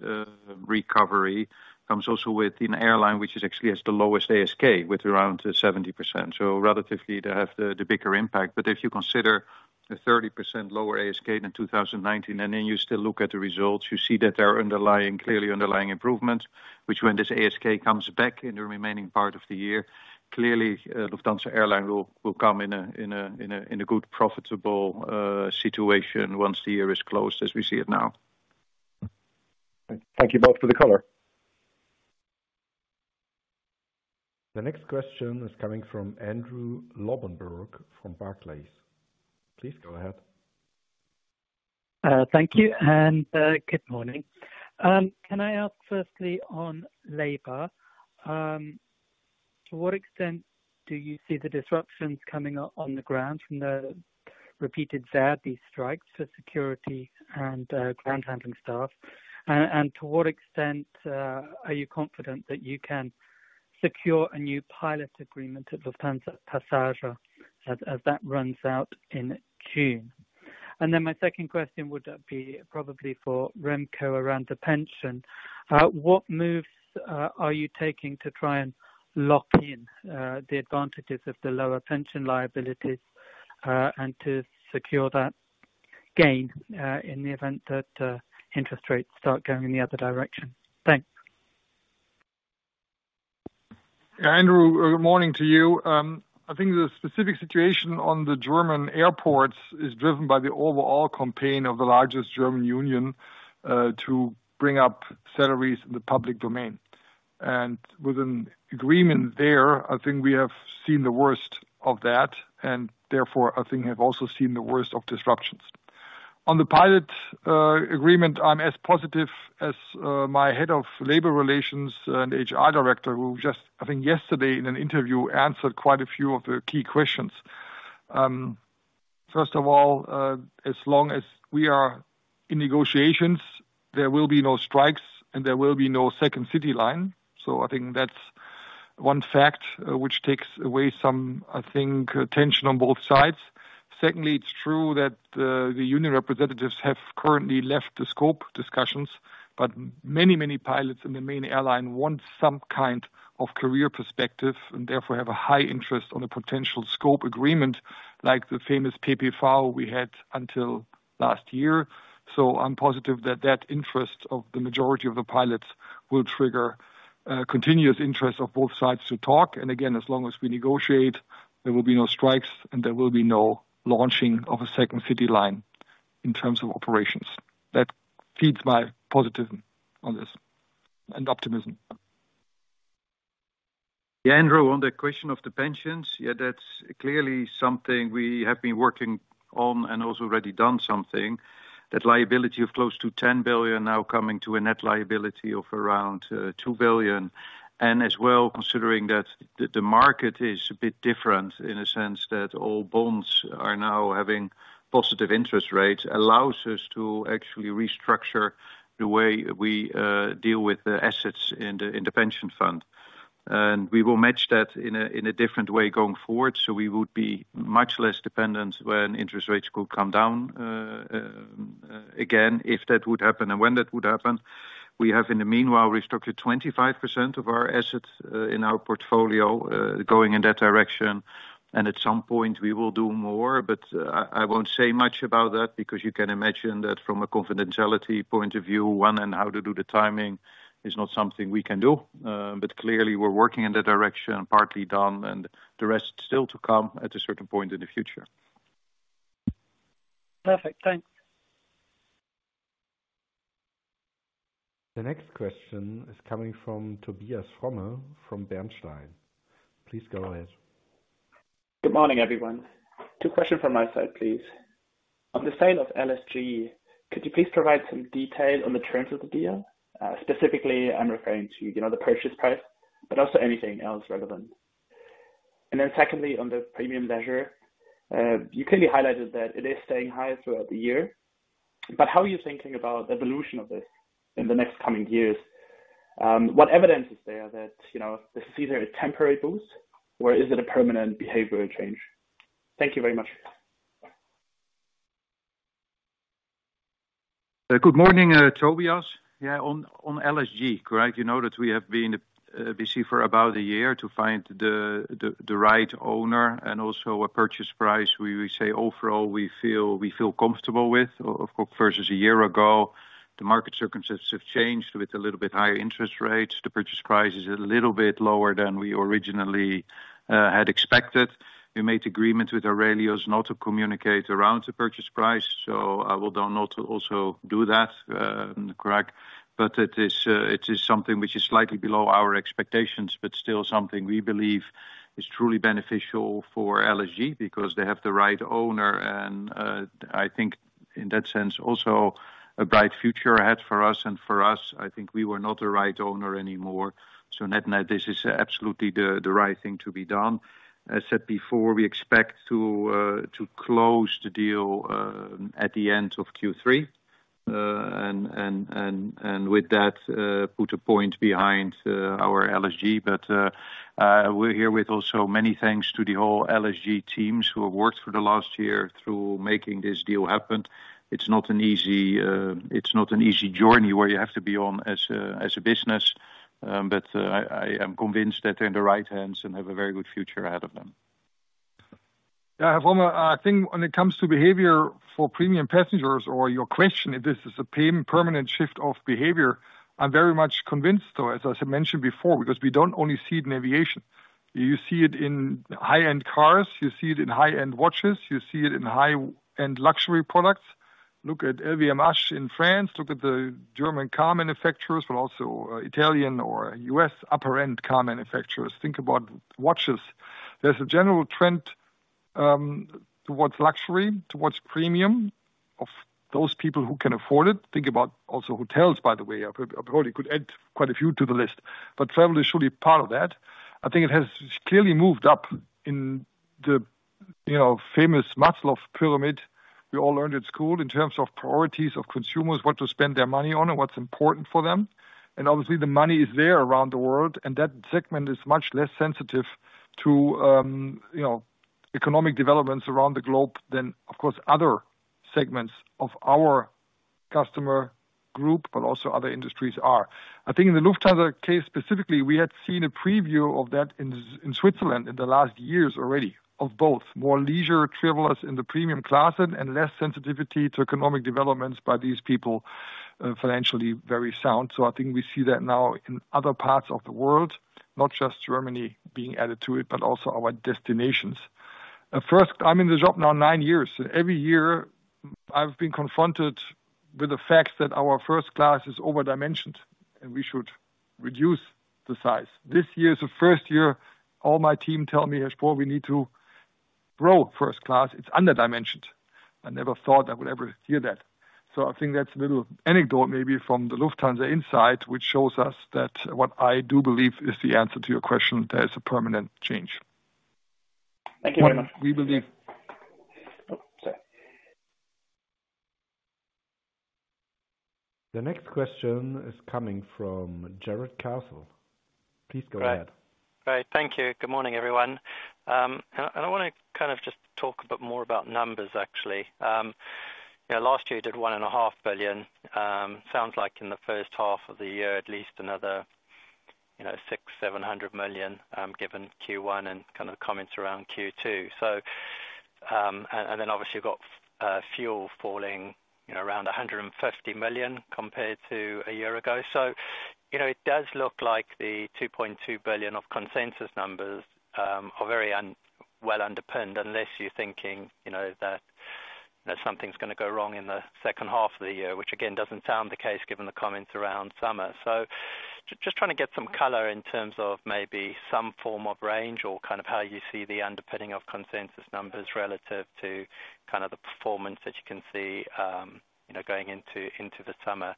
recovery comes also with an airline which is actually has the lowest ASK with around 70%. Relatively, they have the bigger impact. If you consider the 30% lower ASK than 2019, and then you still look at the results, you see that there are underlying, clearly underlying improvements, which when this ASK comes back in the remaining part of the year, clearly, Lufthansa airline will come in a good, profitable situation once the year is closed, as we see it now. Thank you both for the color. The next question is coming from Andrew Lobbenberg from Barclays. Please go ahead. Thank you, good morning. Can I ask firstly on labor, to what extent do you see the disruptions coming up on the ground from the repeated ver.di strikes for security and ground handling staff? To what extent are you confident that you can secure a new pilot agreement at Lufthansa Passage as that runs out in June? Then my second question would be probably for Remco around the pension. What moves are you taking to try and lock in the advantages of the lower pension liabilities, and to secure that gain in the event that interest rates start going in the other direction? Thanks. Andrew, good morning to you. I think the specific situation on the German airports is driven by the overall campaign of the largest German union to bring up salaries in the public domain. With an agreement there, I think we have seen the worst of that, and therefore, I think we have also seen the worst of disruptions. On the pilot agreement, I'm as positive as my head of labor relations and HR director, who just, I think yesterday in an interview, answered quite a few of the key questions. First of all, as long as we are in negotiations, there will be no strikes, and there will be no second CityLine. I think that's one fact which takes away some, I think, tension on both sides. Secondly, it's true that the union representatives have currently left the scope discussions, but many pilots in the main airline want some kind of career perspective, and therefore, have a high interest on a potential scope agreement like the famous PPV we had until last year. I'm positive that that interest of the majority of the pilots will trigger continuous interest of both sides to talk. Again, as long as we negotiate, there will be no strikes, and there will be no launching of a second CityLine in terms of operations. That keeps my positivism on this, and optimism. Yeah, Andrew, on the question of the pensions, yeah, that's clearly something we have been working on and also already done something. That liability of close to 10 billion now coming to a net liability of around 2 billion. As well, considering that the market is a bit different in a sense that all bonds are now having positive interest rates, allows us to actually restructure the way we deal with the assets in the pension fund. We will match that in a different way going forward, so we would be much less dependent when interest rates could come down again, if that would happen and when that would happen. We have, in the meanwhile, restructured 25% of our assets in our portfolio going in that direction. At some point, we will do more, but I won't say much about that because you can imagine that from a confidentiality point of view, when and how to do the timing is not something we can do. Clearly we're working in that direction, partly done, and the rest still to come at a certain point in the future. Perfect. Thanks. The next question is coming from Alex Irving, from Bernstein. Please go ahead. Good morning, everyone. Two question from my side, please. On the sale of LSG, could you please provide some detail on the terms of the deal? Specifically, I'm referring to, you know, the purchase price, but also anything else relevant. Secondly, on the premium leisure, you clearly highlighted that it is staying high throughout the year, but how are you thinking about the evolution of this in the next coming years? What evidence is there that, you know, this is either a temporary boost, or is it a permanent behavioral change? Thank you very much. Good morning, Alex Irving. Yeah, on LSG, correct? You know that we have been busy for about a year to find the right owner and also a purchase price we say overall we feel comfortable with. Of course, versus a year ago, the market circumstances have changed with a little bit higher interest rates. The purchase price is a little bit lower than we originally had expected. We made agreements with AURELIUS not to communicate around the purchase price, so I will then also do that, correct. It is something which is slightly below our expectations, but still something we believe is truly beneficial for LSG because they have the right owner and I think in that sense, also a bright future ahead for us and for us, I think we were not the right owner anymore. Net-net, this is absolutely the right thing to be done. As said before, we expect to close the deal at the end of Q3. And with that, put a point behind our LSG. We're here with also many thanks to the whole LSG teams who have worked for the last year through making this deal happen. It's not an easy, it's not an easy journey where you have to be on as a, as a business. I am convinced that they're in the right hands and have a very good future ahead of them. Yeah. From, I think when it comes to behavior for premium passengers or your question, if this is a permanent shift of behavior, I'm very much convinced, as I mentioned before, because we don't only see it in aviation. You see it in high-end cars, you see it in high-end watches, you see it in high-end luxury products. Look at LVMH in France, look at the German car manufacturers, also Italian or U.S. upper-end car manufacturers. Think about watches. There's a general trend towards luxury, towards premium of those people who can afford it. Think about also hotels, by the way. I probably could add quite a few to the list, travel is surely part of that. I think it has clearly moved up in the, you know, famous Maslow's pyramid we all learned at school in terms of priorities of consumers, what to spend their money on and what's important for them. Obviously the money is there around the world, and that segment is much less sensitive to, you know, economic developments around the globe than, of course, other segments of our customer group, but also other industries are. I think in the Lufthansa case specifically, we had seen a preview of that in Switzerland in the last years already, of both more leisure travelers in the premium classes and less sensitivity to economic developments by these people, financially very sound. I think we see that now in other parts of the world, not just Germany being added to it, but also our destinations. At first, I'm in the job now nine years. Every year I've been confronted with the fact that our first class is over-dimensioned, and we should reduce the size. This year is the first year all my team tell me, "Herr Spohr, we need to grow first class. It's under-dimensioned. I never thought I would ever hear that. I think that's a little anecdote maybe from the Lufthansa insight, which shows us that what I do believe is the answer to your question, there is a permanent change. Thank you very much. What we believe. Oh, sorry. The next question is coming from Jarrod Castle. Please go ahead. Right. Right. Thank you. Good morning, everyone. I wanna kind of just talk a bit more about numbers, actually. You know, last year you did one and a half billion EUR. Sounds like in the first half of the year, at least another, you know, 600-700 million, given Q1 and kind of comments around Q2. Then obviously you've got fuel falling, you know, around 150 million compared to a year ago. You know, it does look like the 2.2 billion of consensus numbers are very well underpinned, unless you're thinking, you know, that something's gonna go wrong in the second half of the year, which again doesn't sound the case given the comments around summer. Just trying to get some color in terms of maybe some form of range or kind of how you see the underpinning of consensus numbers relative to kind of the performance that you can see, you know, going into the summer.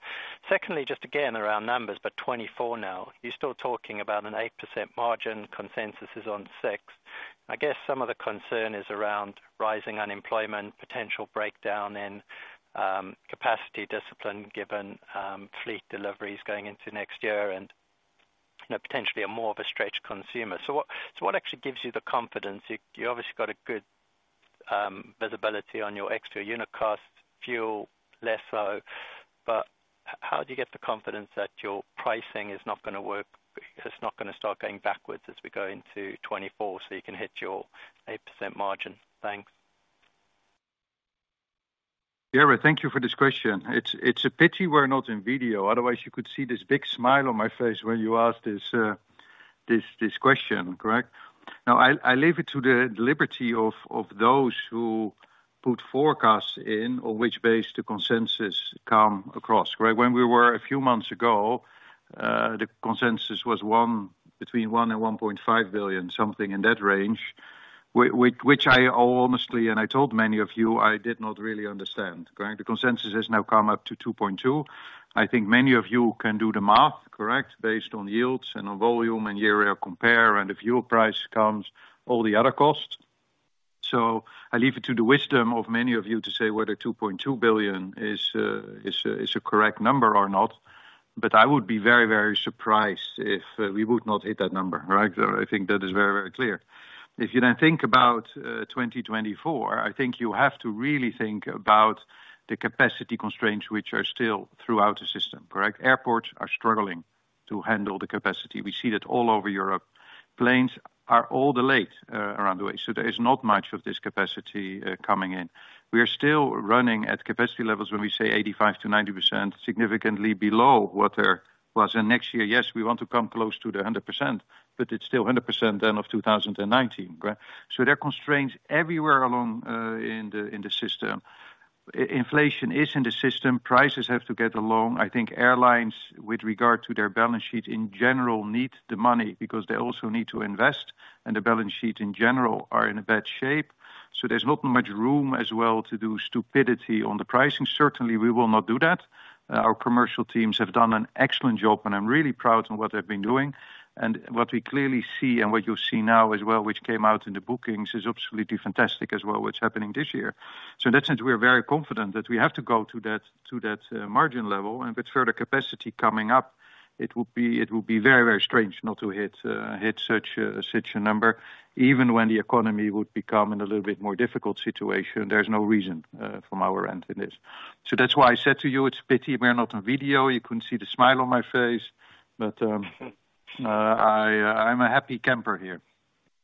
Secondly, just again, around numbers, but 2024 now. You're still talking about an 8% margin, consensus is on 6%. I guess some of the concern is around rising unemployment, potential breakdown in capacity discipline given fleet deliveries going into next year and, you know, potentially a more of a stretched consumer. What, what actually gives you the confidence? You obviously got a good visibility on your extra unit cost, fuel, less so. How do you get the confidence that your pricing is not gonna work, it's not gonna start going backwards as we go into 2024, so you can hit your 8% margin? Thanks. Jarrod, thank you for this question. It's a pity we're not in video, otherwise you could see this big smile on my face when you ask this question, correct? I leave it to the liberty of those who put forecasts in on which base the consensus come across, right? When we were a few months ago, the consensus was between 1 billion and 1.5 billion, something in that range, which I honestly, and I told many of you, I did not really understand, correct? The consensus has now come up to 2.2 billion. I think many of you can do the math, correct, based on yields and on volume and year over compare, and the fuel price comes, all the other costs. I leave it to the wisdom of many of you to say whether 2.2 billion is a correct number or not, but I would be very, very surprised if we would not hit that number, right. I think that is very, very clear. If you think about 2024, I think you have to really think about the capacity constraints, which are still throughout the system, correct. Airports are struggling to handle the capacity. We see that all over Europe. Planes are all delayed around the way. There is not much of this capacity coming in. We are still running at capacity levels when we say 85%-90%, significantly below what there was. Next year, yes, we want to come close to the 100%, but it's still 100% then of 2019, correct? There are constraints everywhere along in the system. Inflation is in the system. Prices have to get along. I think airlines, with regard to their balance sheet in general, need the money because they also need to invest, and the balance sheets in general are in a bad shape. There's not much room as well to do stupidity on the pricing. Certainly, we will not do that. Our commercial teams have done an excellent job, and I'm really proud of what they've been doing. What we clearly see and what you see now as well, which came out in the bookings, is absolutely fantastic as well, what's happening this year. In that sense, we are very confident that we have to go to that margin level. With further capacity coming up, it will be very, very strange not to hit such a, such a number, even when the economy would become in a little bit more difficult situation. There's no reason from our end in this. That's why I said to you, it's a pity we are not on video. You couldn't see the smile on my face. I'm a happy camper here.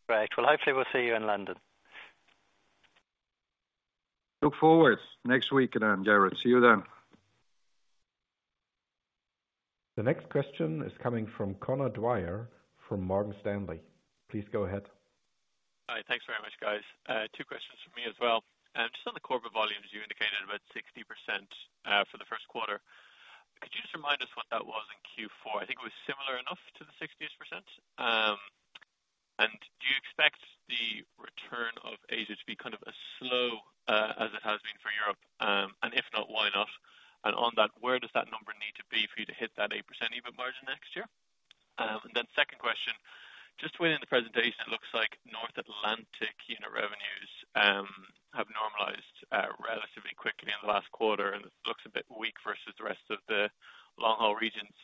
Well, hopefully we'll see you in London. Look forward next week then, Jarrod. See you then. The next question is coming from Conor Dwyer from Morgan Stanley. Please go ahead. Hi. Thanks very much, guys. Two questions from me as well. Just on the corporate volumes, you indicated about 60% for the first quarter. Could you just remind us what that was in Q4? I think it was similar enough to the 60%. Do you expect the return of Asia to be kind of as slow as it has been for Europe? If not, why not? On that, where does that number need to be for you to hit that 8% EBIT margin next year? Then second question, just within the presentation, it looks like North Atlantic unit revenues have normalized relatively quickly in the last quarter and looks a bit weak versus the rest of the long-haul regions.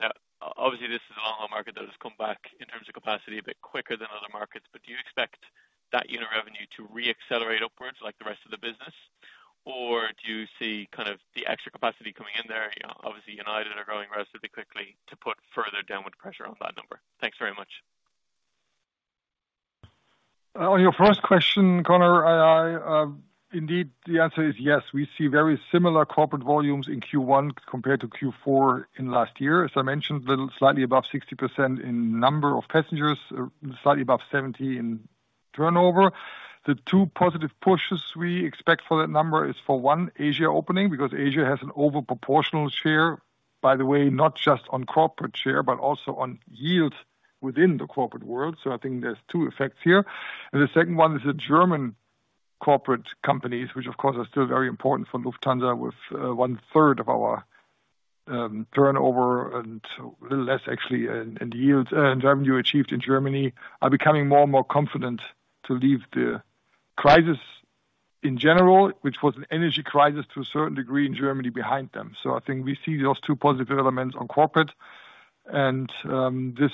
Now, obviously this is a long-haul market that has come back in terms of capacity a bit quicker than other markets, but do you expect that unit revenue to re-accelerate upwards like the rest of the business? Do you see kind of the extra capacity coming in there, you know, obviously United are growing relatively quickly, to put further downward pressure on that number? Thanks very much. On your first question, Conor, I, indeed, the answer is yes. We see very similar corporate volumes in Q1 compared to Q4 in last year. As I mentioned, little slightly above 60% in number of passengers, slightly above 70% in turnover. The two positive pushes we expect for that number is for, one, Asia opening, because Asia has an over proportional share, by the way, not just on corporate share, but also on yield. Within the corporate world. I think there's two effects here. The second one is the German corporate companies, which of course, are still very important for Lufthansa with 1/3 of our turnover and a little less actually in yields. Earned revenue achieved in Germany are becoming more and more confident to leave the crisis in general, which was an energy crisis to a certain degree in Germany behind them. I think we see those two positive developments on corporate and this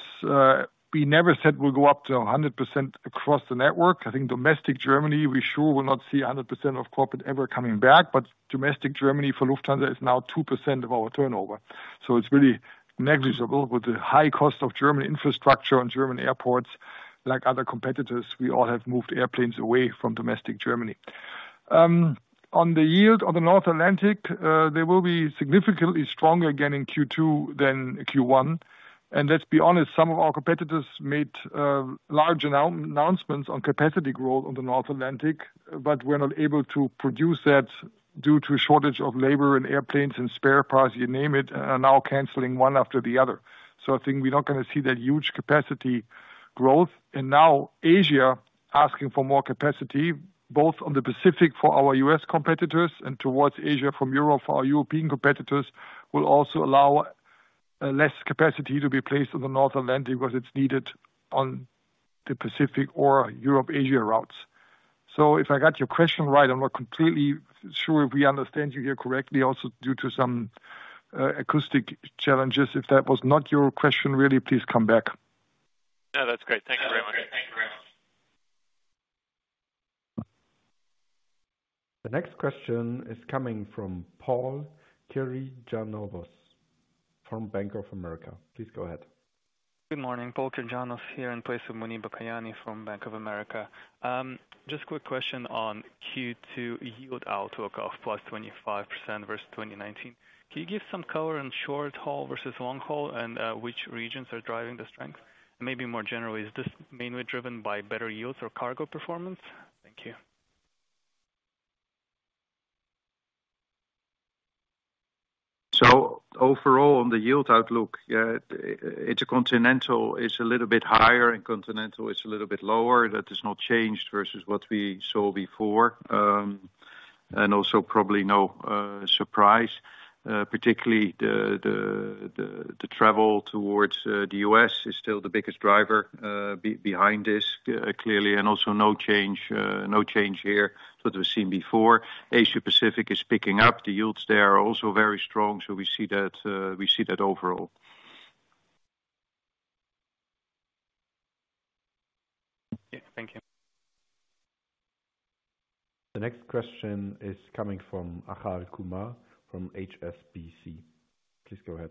we never said we'll go up to 100% across the network. I think domestic Germany, we sure will not see 100% of corporate ever coming back. Domestic Germany for Lufthansa is now 2% of our turnover. It's really negligible with the high cost of German infrastructure and German airports, like other competitors, we all have moved airplanes away from domestic Germany. On the yield on the North Atlantic, they will be significantly stronger again in Q2 than Q1. Let's be honest, some of our competitors made large announcements on capacity growth on the North Atlantic, but were not able to produce that due to a shortage of labor and airplanes and spare parts, you name it, now canceling one after the other. I think we're not gonna see that huge capacity growth. Now Asia asking for more capacity both on the Pacific for our U.S. competitors and towards Asia from Europe for our European competitors, will also allow less capacity to be placed on the North Atlantic because it's needed on the Pacific or Europe-Asia routes. If I got your question right, I'm not completely sure if we understand you here correctly, also due to some acoustic challenges. If that was not your question, really, please come back. No, that's great. Thank you very much. The next question is coming from Paul Kirjanovs from Bank of America. Please go ahead. Good morning, Paul Kirjanovs here in place of Muneeba Kayani from Bank of America. Just a quick question on Q2 yield outlook of +25% versus 2019. Can you give some color on short haul versus long haul which regions are driving the strength? Maybe more generally, is this mainly driven by better yields or cargo performance? Thank you. Overall on the yield outlook, intercontinental is a little bit higher and continental is a little bit lower. That has not changed versus what we saw before, and also probably no surprise. Particularly the travel towards the US is still the biggest driver behind this, clearly. Also no change, no change here that we've seen before. Asia Pacific is picking up. The yields there are also very strong, so we see that we see that overall. Yeah. Thank you. The next question is coming from Achal Kumar from HSBC. Please go ahead.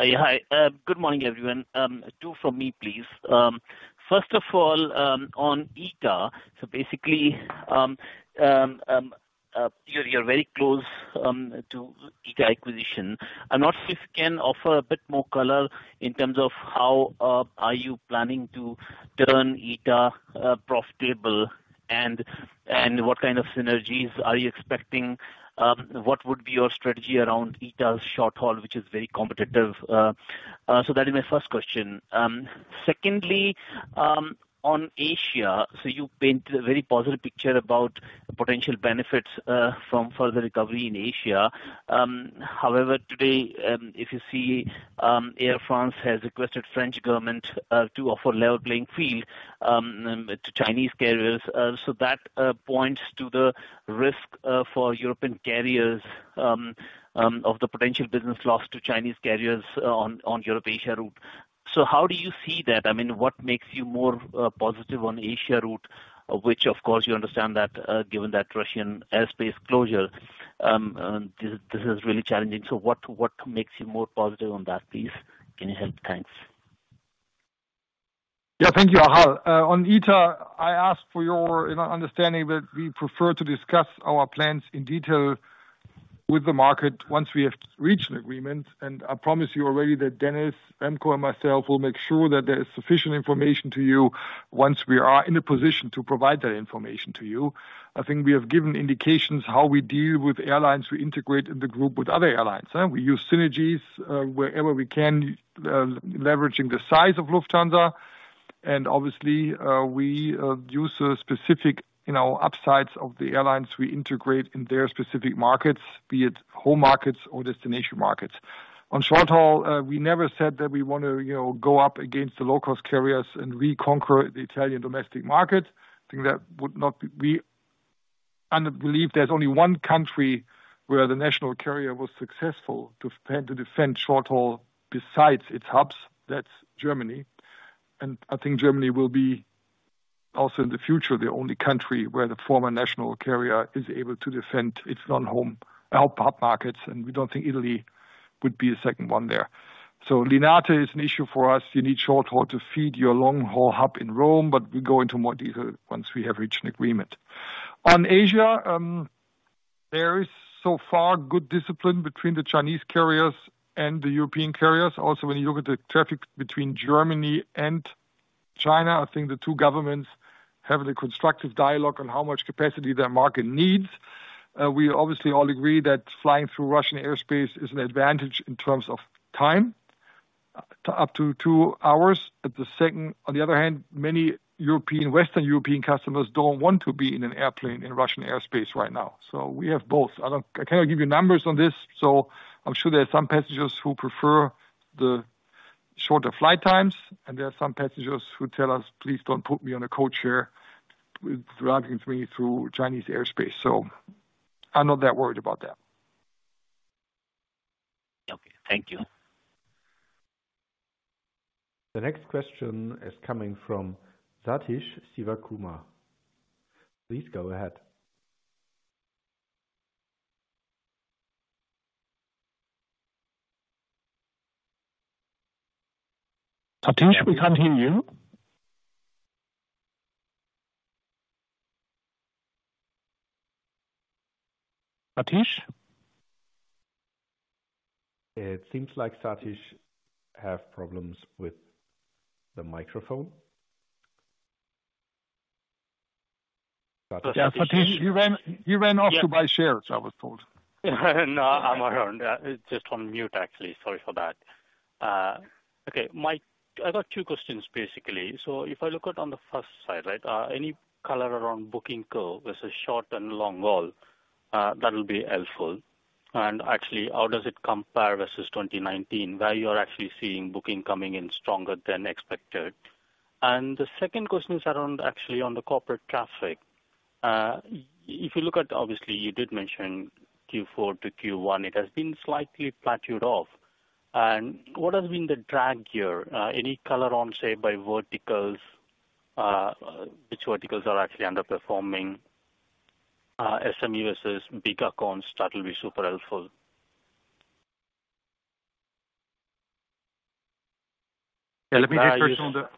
Yeah. Hi. Good morning, everyone. Two for me, please. First of all, on ITA. Basically, you're very close to ITA acquisition. I'm not sure if you can offer a bit more color in terms of how are you planning to turn ITA profitable and what kind of synergies are you expecting? What would be your strategy around ITA's short haul, which is very competitive? That is my first question. Secondly, on Asia. You paint a very positive picture about potential benefits from further recovery in Asia. However, today, if you see, Air France has requested French government to offer level playing field to Chinese carriers. That points to the risk for European carriers of the potential business loss to Chinese carriers on Europe Asia route. How do you see that? I mean, what makes you more positive on Asia route, which of course you understand that given that Russian airspace closure, this is really challenging. What makes you more positive on that, please? Can you help? Thanks. Yeah, thank you, Achal. On ITA, I ask for your, you know, understanding that we prefer to discuss our plans in detail with the market once we have reached an agreement. I promise you already that Dennis, Remco and myself will make sure that there is sufficient information to you once we are in a position to provide that information to you. I think we have given indications how we deal with airlines we integrate in the group with other airlines. We use synergies wherever we can, leveraging the size of Lufthansa. Obviously, we use the specific, you know, upsides of the airlines we integrate in their specific markets, be it home markets or destination markets. On short haul, we never said that we want to, you know, go up against the low cost carriers and reconquer the Italian domestic market. I think that would not be. I believe there's only one country where the national carrier was successful to defend short haul besides its hubs. That's Germany. I think Germany will be also in the future, the only country where the former national carrier is able to defend its non-home hub markets, and we don't think Italy would be the second one there. Linate is an issue for us. You need short haul to feed your long haul hub in Rome, but we go into more detail once we have reached an agreement. On Asia, there is so far good discipline between the Chinese carriers and the European carriers. When you look at the traffic between Germany and China, I think the two governments have a constructive dialogue on how much capacity their market needs. We obviously all agree that flying through Russian airspace is an advantage in terms of time, up to two hours. On the other hand, many European, Western European customers don't want to be in an airplane in Russian airspace right now. We have both. I cannot give you numbers on this. I'm sure there are some passengers who prefer the shorter flight times, and there are some passengers who tell us, "Please don't put me on a codeshare with routing me through Chinese airspace." I'm not that worried about that. Okay, thank you. The next question is coming from Sathish Sivakumar. Please go ahead. Sathish, we can't hear you. Sathish? It seems like Sathish have problems with the microphone. Yeah, Sathish, he ran off to buy shares, I was told. No, I'm around. Just on mute, actually. Sorry for that. Okay. I've got two questions, basically. If I look at on the first side, right, any color around booking curve versus short and long haul, that will be helpful. Actually, how does it compare versus 2019, where you are actually seeing booking coming in stronger than expected? The second question is around actually on the corporate traffic. If you look at, obviously, you did mention Q4 to Q1, it has been slightly plateaued off. What has been the drag here? Any color on, say, by verticals, which verticals are actually underperforming, SMEs, bigger corps, that will be super helpful. Yeah, let me get first on the-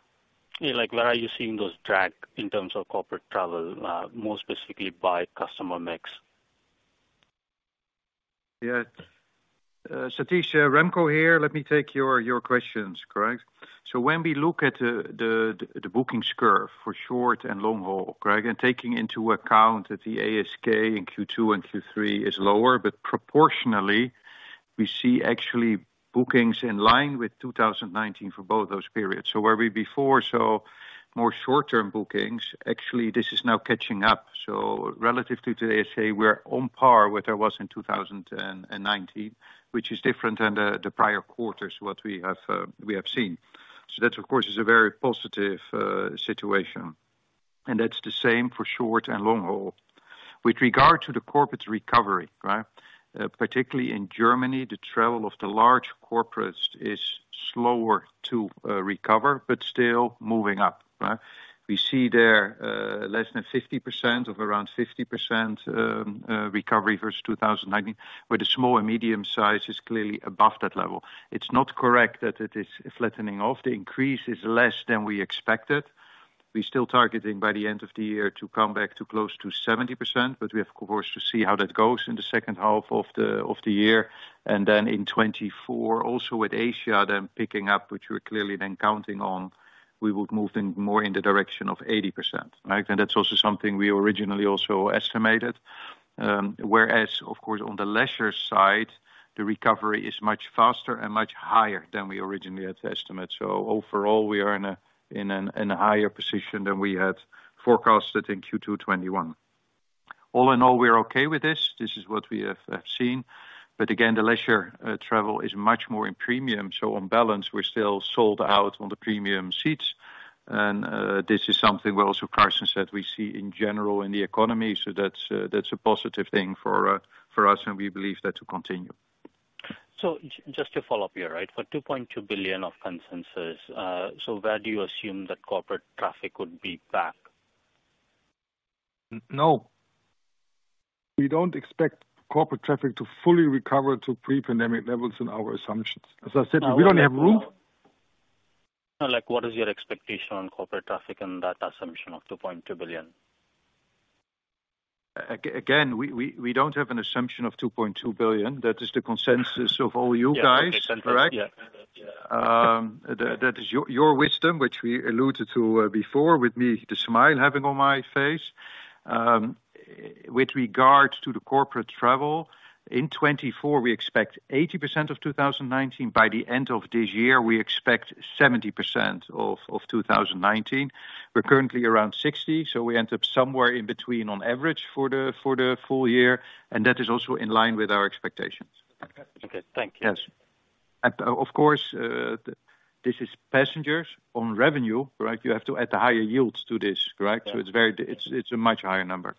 Like, where are you seeing those drag in terms of corporate travel, more specifically by customer mix? Yes. Sathish, Remco here. Let me take your questions, correct. When we look at the bookings curve for short and long haul, correct, and taking into account that the ASK in Q2 and Q3 is lower, but proportionally, we see actually bookings in line with 2019 for both those periods. Where we before saw more short-term bookings, actually this is now catching up. Relatively to the ASK, we're on par with where was in 2019, which is different than the prior quarters, what we have seen. That of course is a very positive situation. That's the same for short and long haul. With regard to the corporate recovery, right. Particularly in Germany, the travel of the large corporates is slower to recover, but still moving up, right. We see there, less than 50% of around 50% recovery versus 2019, where the small and medium size is clearly above that level. It's not correct that it is flattening off. The increase is less than we expected. We're still targeting by the end of the year to come back to close to 70%, but we have of course to see how that goes in the second half of the year. In 2024, also with Asia then picking up, which we're clearly then counting on, we would move in more in the direction of 80%, right? That's also something we originally also estimated. Whereas of course on the leisure side, the recovery is much faster and much higher than we originally had estimated. Overall, we are in a higher position than we had forecasted in Q2 2021. All in all, we are okay with this. This is what we have seen. Again, the leisure travel is much more in premium. On balance, we're still sold out on the premium seats. This is something where also Carsten said we see in general in the economy. That's a positive thing for us, and we believe that to continue. Just to follow up here, right? For 2.2 billion of consensus, where do you assume that corporate traffic would be back? No. We don't expect corporate traffic to fully recover to pre-pandemic levels in our assumptions. As I said, we don't have room. No, like what is your expectation on corporate traffic and that assumption of 2.2 billion? Again, we don't have an assumption of 2.2 billion. That is the consensus of all you guys, correct? Yeah. That is your wisdom, which we alluded to before with me, the smile having on my face. With regards to the corporate travel, in 2024, we expect 80% of 2019. By the end of this year, we expect 70% of 2019. We're currently around 60, so we end up somewhere in between on average for the full year, and that is also in line with our expectations. Okay, thank you. Yes. Of course, this is passengers on revenue, right? You have to add the higher yields to this, correct? Yeah. It's a much higher number.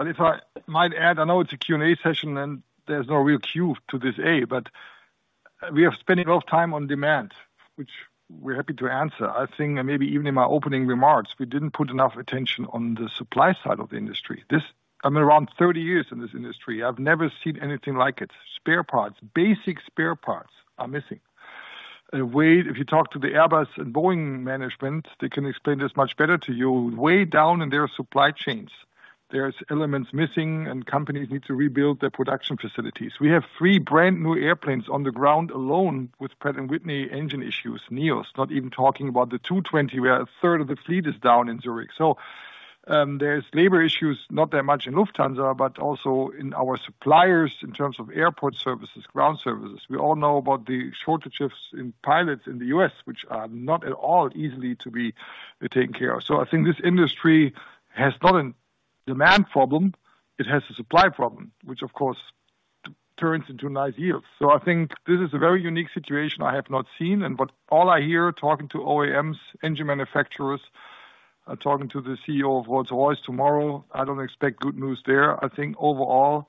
If I might add, I know it's a Q&A session, there's no real Q to this A, we have spent a lot of time on demand, which we're happy to answer. I think maybe even in my opening remarks, we didn't put enough attention on the supply side of the industry. This. I'm around 30 years in this industry, I've never seen anything like it. Spare parts, basic spare parts are missing. A way, if you talk to the Airbus and Boeing management, they can explain this much better to you. Way down in their supply chains, there's elements missing, companies need to rebuild their production facilities. We have three brand new airplanes on the ground alone with Pratt & Whitney engine issues, NEOs. Not even talking about the A220, where a third of the fleet is down in Zurich. There's labor issues, not that much in Lufthansa, but also in our suppliers in terms of airport services, ground services. We all know about the shortages in pilots in the U.S., which are not at all easily to be taken care of. I think this industry has not a demand problem, it has a supply problem, which of course turns into nice yields. I think this is a very unique situation I have not seen and what all I hear talking to OEMs, engine manufacturers, talking to the CEO of Rolls-Royce tomorrow, I don't expect good news there. I think overall,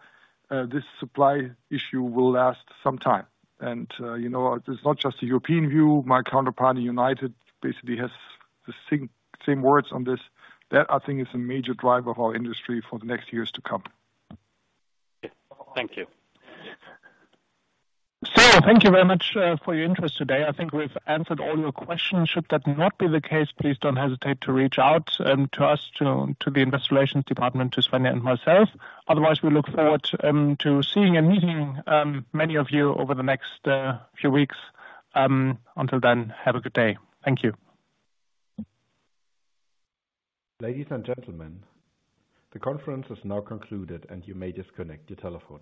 this supply issue will last some time. You know, it's not just a European view. My counterpart in United basically has the same words on this. That I think is a major driver of our industry for the next years to come. Thank you. Thank you very much for your interest today. I think we've answered all your questions. Should that not be the case, please don't hesitate to reach out to us, to the investor relations department, to Svenja and myself. Otherwise, we look forward to seeing and meeting many of you over the next few weeks. Until then, have a good day. Thank you. Ladies and gentlemen, the conference is now concluded, and you may disconnect your telephone.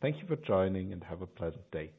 Thank you for joining, and have a pleasant day. Goodbye